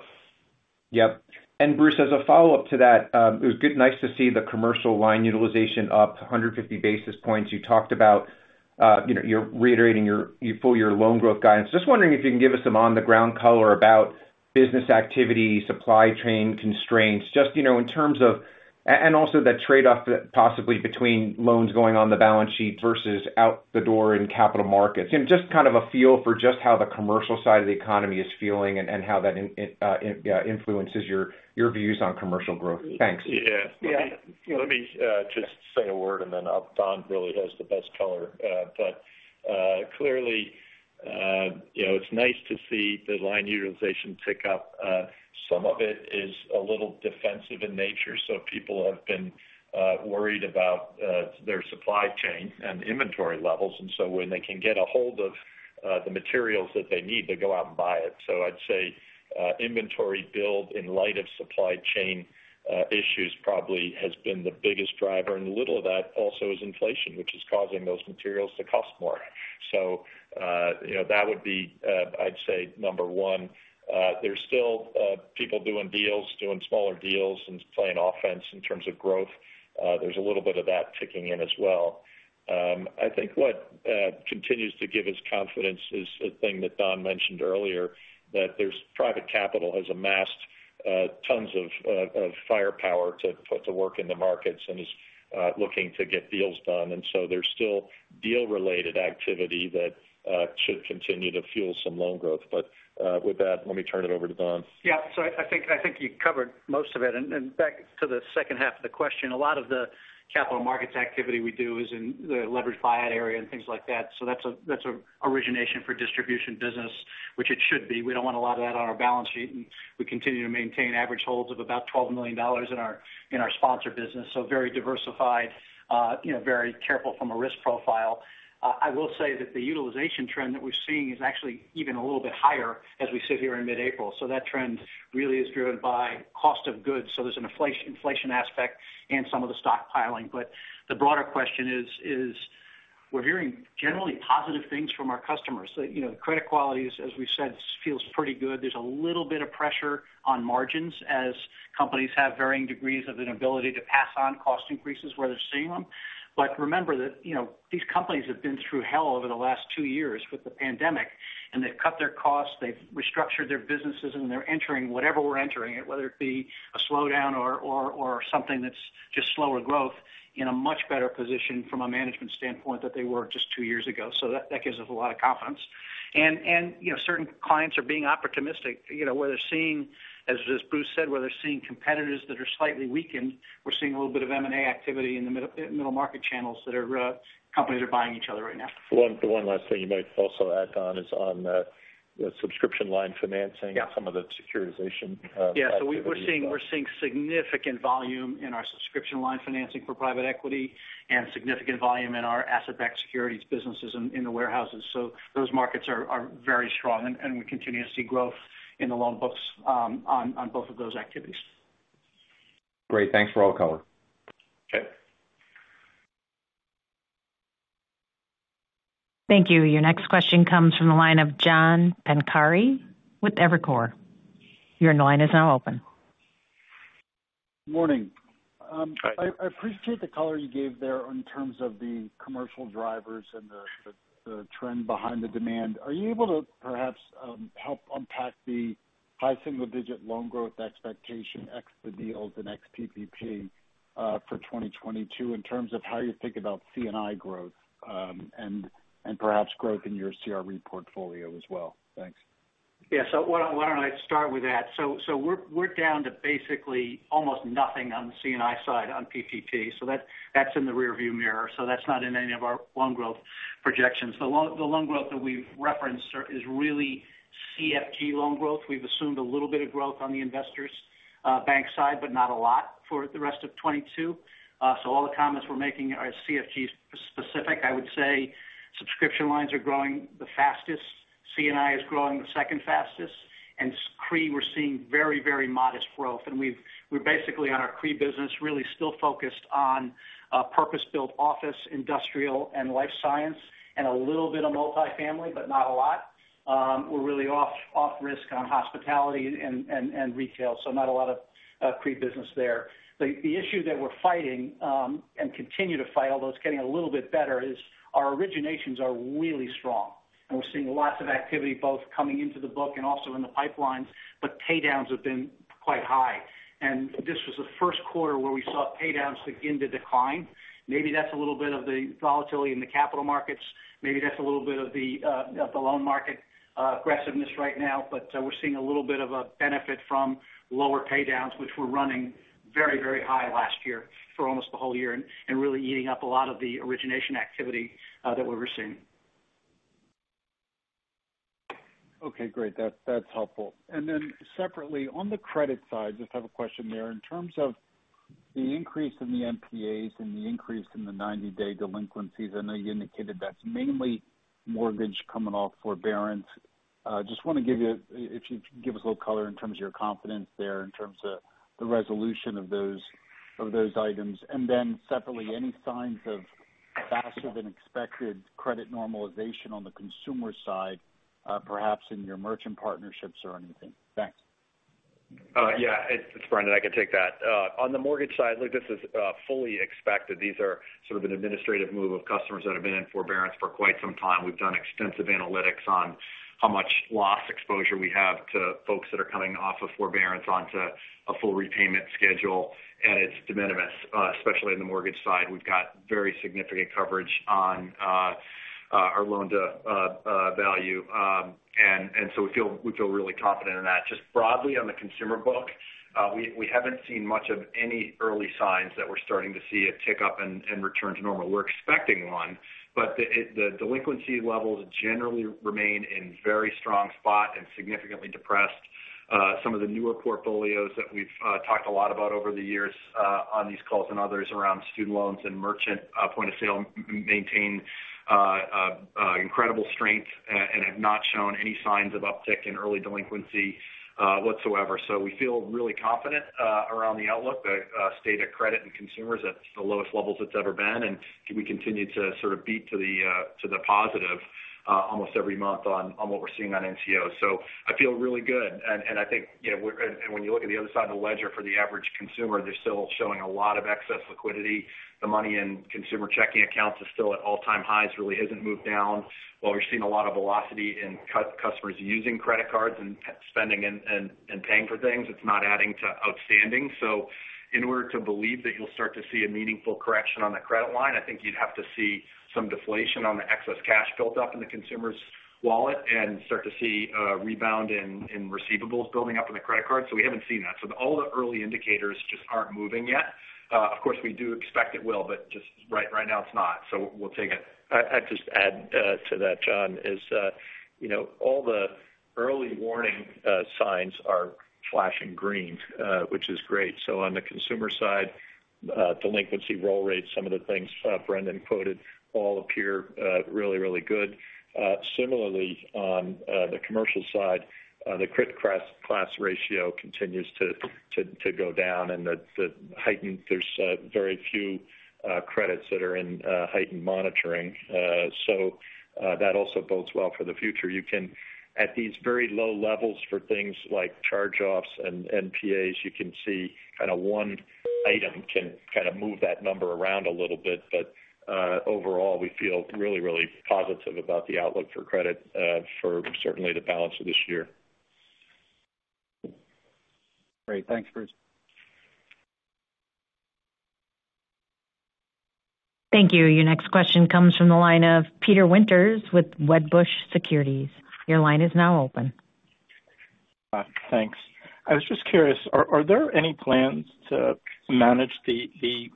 Yep. Bruce, as a follow-up to that, it was good, nice to see the commercial line utilization up 150 basis points. You talked about, you know, you're reiterating your full-year loan growth guidance. Just wondering if you can give us some on-the-ground color about business activity, supply chain constraints, just, you know, in terms of, and also the possible trade-off between loans going on the balance sheet versus out the door in capital markets. You know, just kind of a feel for just how the commercial side of the economy is feeling and how that influences your views on commercial growth. Thanks. Yeah. Let me just say a word, and then Don really has the best color. Clearly, you know, it's nice to see the line utilization tick up. Some of it is a little defensive in nature, so people have been worried about their supply chain and inventory levels. When they can get a hold of the materials that they need, they go out and buy it. I'd say inventory build in light of supply chain issues probably has been the biggest driver. A little of that also is inflation, which is causing those materials to cost more. You know, that would be, I'd say number one. There's still people doing deals, doing smaller deals and playing offense in terms of growth. There's a little bit of that ticking in as well. I think what continues to give us confidence is a thing that Don mentioned earlier, that there's private capital has amassed tons of firepower to put to work in the markets and is looking to get deals done. There's still deal related activity that should continue to fuel some loan growth. With that, let me turn it over to Don. Yeah. I think you covered most of it. Back to the second half of the question, a lot of the capital markets activity we do is in the leveraged buyout area and things like that. That's a origination for distribution business, which it should be. We don't want a lot of that on our balance sheet, and we continue to maintain average holds of about $12 million in our sponsor business. Very diversified, you know, very careful from a risk profile. I will say that the utilization trend that we're seeing is actually even a little bit higher as we sit here in mid-April. That trend really is driven by cost of goods. There's an inflation aspect and some of the stockpiling. The broader question is, we're hearing generally positive things from our customers. You know, the credit quality is, as we said, feels pretty good. There's a little bit of pressure on margins as companies have varying degrees of an ability to pass on cost increases where they're seeing them. Remember that, you know, these companies have been through hell over the last two years with the pandemic, and they've cut their costs, they've restructured their businesses, and they're entering whatever we're entering, whether it be a slowdown or something that's just slower growth in a much better position from a management standpoint than they were just two years ago. That gives us a lot of confidence. You know, certain clients are being opportunistic. You know, where they're seeing, as Bruce said, where they're seeing competitors that are slightly weakened. We're seeing a little bit of M&A activity in the middle market channels, companies are buying each other right now. One last thing you might also add, Don, is on the subscription line financing. Yeah. some of the securitization, activities. Yeah. We're seeing significant volume in our subscription line financing for private equity and significant volume in our asset-backed securities businesses in the warehouses. Those markets are very strong, and we continue to see growth in the loan books on both of those activities. Great. Thanks for all the color. Okay. Thank you. Your next question comes from the line of John Pancari with Evercore. Your line is now open. Morning. Hi. I appreciate the color you gave there in terms of the commercial drivers and the trend behind the demand. Are you able to perhaps help unpack the high single digit loan growth expectation ex the deals and ex PPP for 2022 in terms of how you think about C&I growth and perhaps growth in your CRE portfolio as well? Thanks. Yeah. Why don't I start with that. We're down to basically almost nothing on the C&I side on PPP. That's in the rearview mirror. That's not in any of our loan growth projections. The loan growth that we've referenced is really CFG loan growth. We've assumed a little bit of growth on the Investors' bank side, but not a lot for the rest of 2022. All the comments we're making are CFG specific. I would say subscription lines are growing the fastest. C&I is growing the second fastest. CRE, we're seeing very, very modest growth. We're basically on our CRE business really still focused on purpose-built office, industrial and life science, and a little bit of multifamily, but not a lot. We're really off risk on hospitality and retail, so not a lot of CRE business there. The issue that we're fighting and continue to fight, although it's getting a little bit better, is our originations are really strong. We're seeing lots of activity both coming into the book and also in the pipelines, but pay downs have been quite high. This was the first quarter where we saw pay downs begin to decline. Maybe that's a little bit of the volatility in the capital markets. Maybe that's a little bit of the loan market aggressiveness right now. We're seeing a little bit of a benefit from lower pay downs, which were running very, very high last year for almost the whole year, and really eating up a lot of the origination activity that we're seeing. Okay, great. That's helpful. Then separately, on the credit side, just have a question there. In terms of the increase in the NPAs and the increase in the 90-day delinquencies, I know you indicated that's mainly mortgage coming off forbearance. Just want to give you, if you could give us a little color in terms of your confidence there in terms of the resolution of those items. Then separately, any signs of faster than expected credit normalization on the consumer side, perhaps in your merchant partnerships or anything? Thanks. Yeah, it's Brendan. I can take that. On the mortgage side, look, this is fully expected. These are sort of an administrative move of customers that have been in forbearance for quite some time. We've done extensive analytics on how much loss exposure we have to folks that are coming off of forbearance onto a full repayment schedule, and it's de minimis, especially in the mortgage side. We've got very significant coverage on our loan-to-value. We feel really confident in that. Just broadly on the consumer book, we haven't seen much of any early signs that we're starting to see a tick up and return to normal. We're expecting one, but the delinquency levels generally remain in very strong spot and significantly depressed. Some of the newer portfolios that we've talked a lot about over the years on these calls and others around student loans and merchant point of sale maintain incredible strength and have not shown any signs of uptick in early delinquency whatsoever. We feel really confident around the outlook. The state of credit and consumers at the lowest levels it's ever been, and we continue to sort of beat to the positive almost every month on what we're seeing on NCO. I feel really good. I think, you know, when you look at the other side of the ledger for the average consumer, they're still showing a lot of excess liquidity. The money in consumer checking accounts is still at all-time highs, really hasn't moved down. While we're seeing a lot of velocity in customers using credit cards and spending and paying for things, it's not adding to outstanding. In order to believe that you'll start to see a meaningful correction on the credit line, I think you'd have to see some deflation on the excess cash built up in the consumer's wallet and start to see a rebound in receivables building up in the credit card. We haven't seen that. All the early indicators just aren't moving yet. Of course, we do expect it will, but just right now it's not. We'll take it. I'd just add to that, John. You know, all the early warning signs are flashing green, which is great. On the consumer side, delinquency roll rates, some of the things Brendan quoted all appear really, really good. Similarly, on the commercial side, the crit class ratio continues to go down and there's very few credits that are in heightened monitoring. That also bodes well for the future. You can, at these very low levels for things like charge-offs and NPAs, you can see kind of one item can kind of move that number around a little bit. Overall, we feel really, really positive about the outlook for credit for certainly the balance of this year. Great. Thanks, Bruce. Thank you. Your next question comes from the line of Peter Winter with Wedbush Securities. Your line is now open. Thanks. I was just curious, are there any plans to manage the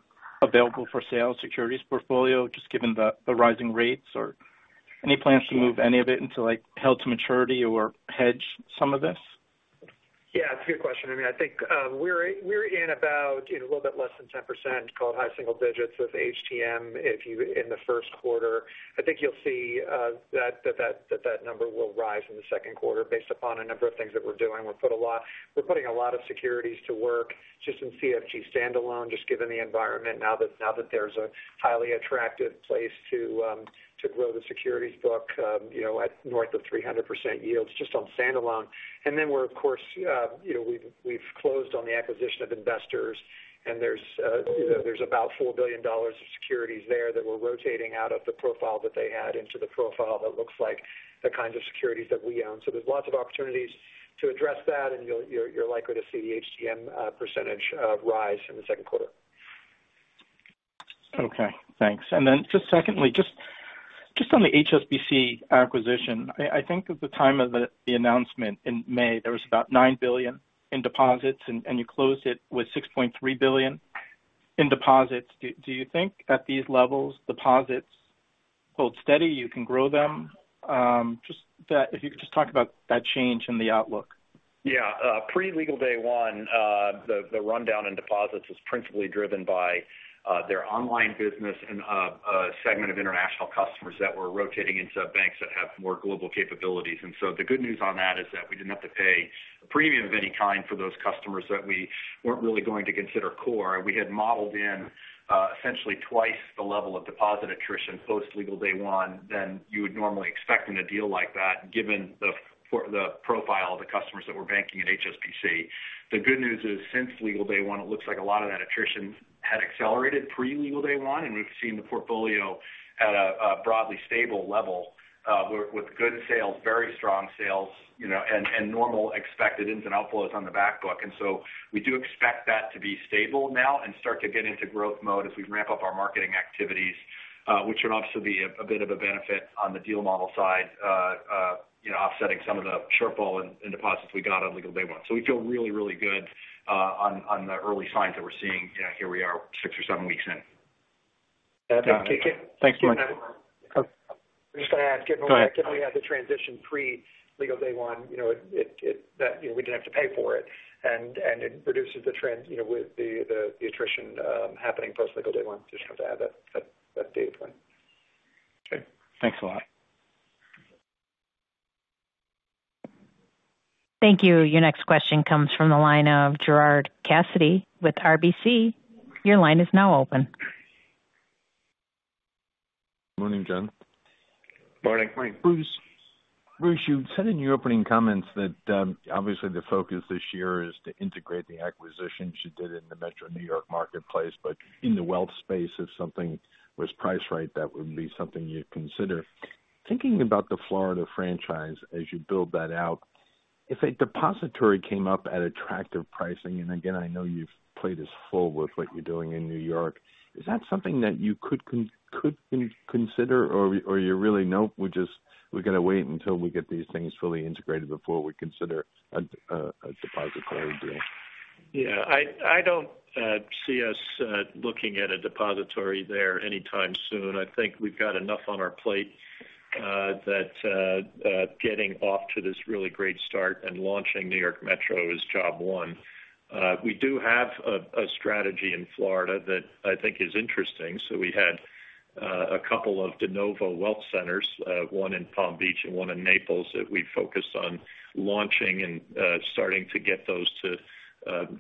available for sale securities portfolio just given the rising rates? Or any plans to move any of it into, like, held to maturity or hedge some of this? Yeah, it's a good question. I mean, I think we're in about a little bit less than 10%, call it high single digits of HTM in the first quarter. I think you'll see that number will rise in the second quarter based upon a number of things that we're doing. We're putting a lot of securities to work just in CFG standalone, just given the environment now that there's a highly attractive place to grow the securities book, you know, at north of 300% yields just on standalone. Then we're of course, you know, we've closed on the acquisition of Investors, and there's, you know, there's about $4 billion of securities there that we're rotating out of the portfolio that they had into the portfolio that looks like the kinds of securities that we own. There's lots of opportunities to address that, and you're likely to see the HTM percentage rise in the second quarter. Okay, thanks. Just secondly, just on the ISBC acquisition. I think at the time of the announcement in May, there was about $9 billion in deposits, and you closed it with $6.3 billion in deposits. Do you think at these levels, deposits hold steady, you can grow them? If you could just talk about that change in the outlook. Yeah. Pre-legal day one, the rundown in deposits was principally driven by their online business and a segment of international customers that were rotating into banks that have more global capabilities. The good news on that is that we didn't have to pay a premium of any kind for those customers that we weren't really going to consider core. We had modeled in essentially twice the level of deposit attrition post-legal day one than you would normally expect in a deal like that, given the profile of the customers that were banking at HSBC. The good news is, since legal day one, it looks like a lot of that attrition had accelerated pre-legal day one, and we've seen the portfolio at a broadly stable level, with good sales, very strong sales, you know, and normal expected ins and outflows on the back book. We do expect that to be stable now and start to get into growth mode as we ramp up our marketing activities, which should also be a bit of a benefit on the deal model side, you know, offsetting some of the shortfall in deposits we got on legal day one. We feel really good on the early signs that we're seeing, you know, here we are six or seven weeks in. Thanks, Mike. I'm just gonna add, given Go ahead. Given we had the transition pre legal day one, you know, that, you know, we didn't have to pay for it. It reduces the trend, you know, with the attrition happening post legal day one. Just have to add that data point. Okay. Thanks a lot. Thank you. Your next question comes from the line of Gerard Cassidy with RBC. Your line is now open. Morning, gentlemen. Morning. Morning. Bruce, you said in your opening comments that obviously the focus this year is to integrate the acquisitions you did in the metro New York marketplace. In the wealth space, if something was priced right, that wouldn't be something you'd consider. Thinking about the Florida franchise as you build that out, if a depository came up at attractive pricing and again, I know your plate is full with what you're doing in New York. Is that something that you could consider or you really nope, we gotta wait until we get these things fully integrated before we consider a depository deal? Yeah, I don't see us looking at a depository there anytime soon. I think we've got enough on our plate that getting off to a really great start and launching New York Metro is job one. We do have a strategy in Florida that I think is interesting. We had a couple of de novo wealth centers, one in Palm Beach and one in Naples, that we focused on launching and starting to get those to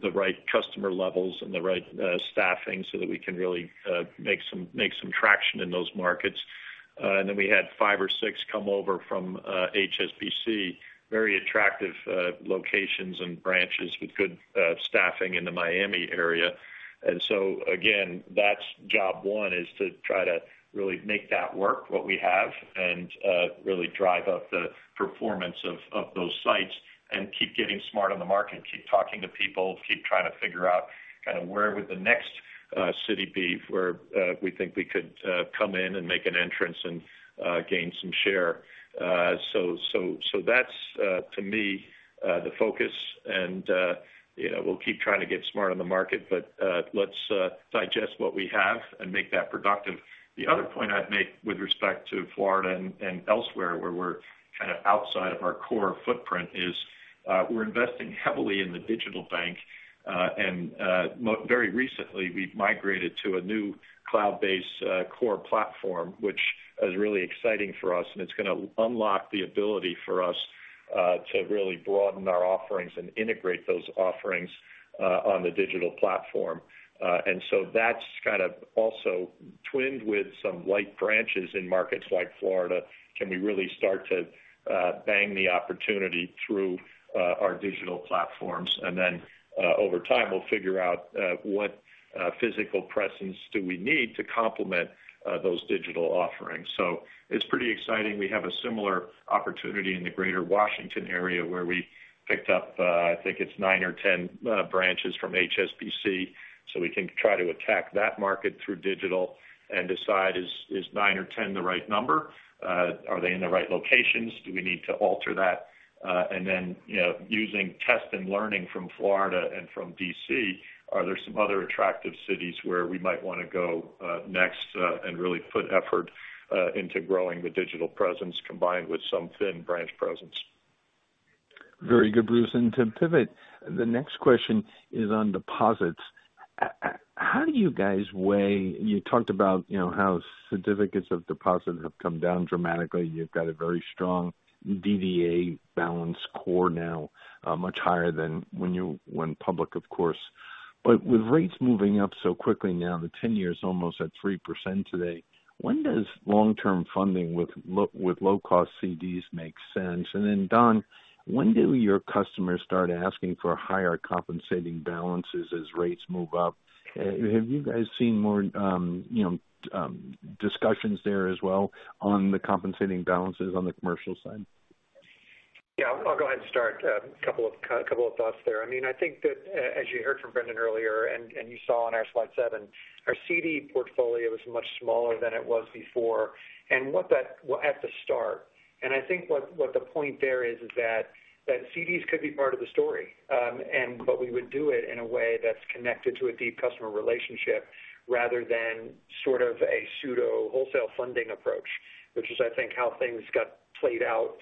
the right customer levels and the right staffing so that we can really make some traction in those markets. We had five or six come over from HSBC, very attractive locations and branches with good staffing in the Miami area. Again, that's job one, is to try to really make that work what we have and really drive up the performance of those sites and keep getting smart on the market, keep talking to people, keep trying to figure out kind of where would the next city be where we think we could come in and make an entrance and gain some share. That's to me the focus. You know, we'll keep trying to get smart on the market, but let's digest what we have and make that productive. The other point I'd make with respect to Florida and elsewhere where we're kind of outside of our core footprint is we're investing heavily in the digital bank. Very recently we've migrated to a new cloud-based core platform, which is really exciting for us. It's gonna unlock the ability for us to really broaden our offerings and integrate those offerings on the digital platform. That's kind of also twinned with some light branches in markets like Florida. Can we really start to bang the opportunity through our digital platforms? Over time, we'll figure out what physical presence do we need to complement those digital offerings. It's pretty exciting. We have a similar opportunity in the greater Washington area where we picked up, I think it's nine or 10, branches from HSBC. We can try to attack that market through digital and decide is nine or 10 the right number? Are they in the right locations? Do we need to alter that? Then, you know, using testing and learning from Florida and from D.C., are there some other attractive cities where we might wanna go next, and really put effort into growing the digital presence combined with some thin branch presence. Very good, Bruce. To pivot, the next question is on deposits. How do you guys weigh—you talked about, you know, how certificates of deposit have come down dramatically. You've got a very strong DDA balance core now, much higher than when you went public, of course. With rates moving up so quickly now, the 10-year is almost at 3% today. When does long-term funding with low cost CDs make sense? Then, Don, when do your customers start asking for higher compensating balances as rates move up? Have you guys seen more, you know, discussions there as well on the compensating balances on the commercial side? Yeah, I'll go ahead and start. A couple of thoughts there. I mean, I think that as you heard from Brendan earlier, and you saw on our slide seven, our CD portfolio is much smaller than it was before, what that was at the start. I think what the point there is that CDs could be part of the story. We would do it in a way that's connected to a deep customer relationship rather than sort of a pseudo wholesale funding approach, which is, I think, how things got played out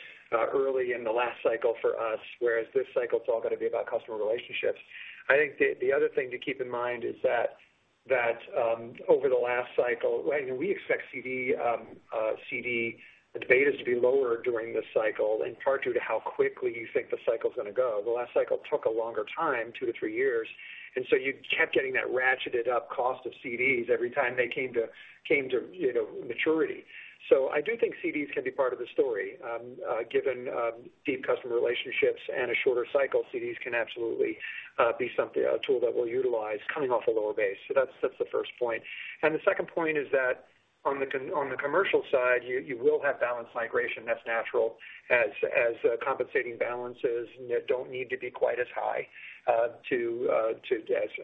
early in the last cycle for us. Whereas this cycle, it's all gonna be about customer relationships. I think the other thing to keep in mind is that over the last cycle, right, and we expect CD betas to be lower during this cycle in part due to how quickly you think the cycle is gonna go. The last cycle took a longer time, two-three years, and so you kept getting that ratcheted up cost of CDs every time they came to you know maturity. I do think CDs can be part of the story. Given deep customer relationships and a shorter cycle, CDs can absolutely be something, a tool that we'll utilize coming off a lower base. That's the first point. The second point is that on the commercial side, you will have balance migration. That's natural. As compensating balances don't need to be quite as high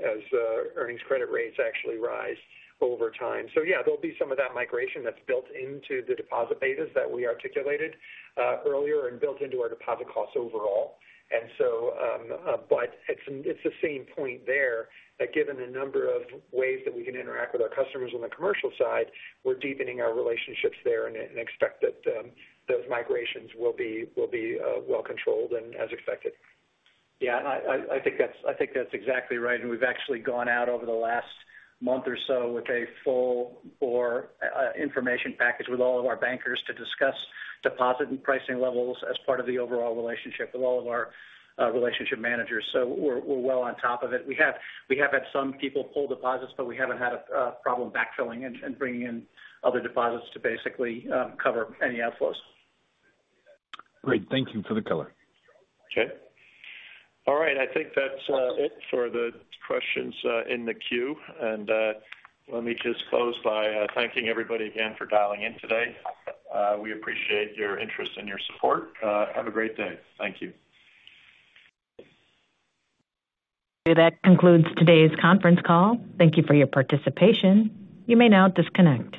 as earnings credit rates actually rise over time. Yeah, there'll be some of that migration that's built into the deposit betas that we articulated earlier and built into our deposit costs overall. But it's the same point there, that given a number of ways that we can interact with our customers on the commercial side, we're deepening our relationships there and expect that those migrations will be well controlled and as expected. Yeah, I think that's exactly right. We've actually gone out over the last month or so with a full bore information package with all of our bankers to discuss deposit and pricing levels as part of the overall relationship with all of our relationship managers. We're well on top of it. We have had some people pull deposits, but we haven't had a problem backfilling and bringing in other deposits to basically cover any outflows. Great. Thank you for the color. Okay. All right. I think that's it for the questions in the queue. Let me just close by thanking everybody again for dialing in today. We appreciate your interest and your support. Have a great day. Thank you. That concludes today's conference call. Thank you for your participation. You may now disconnect.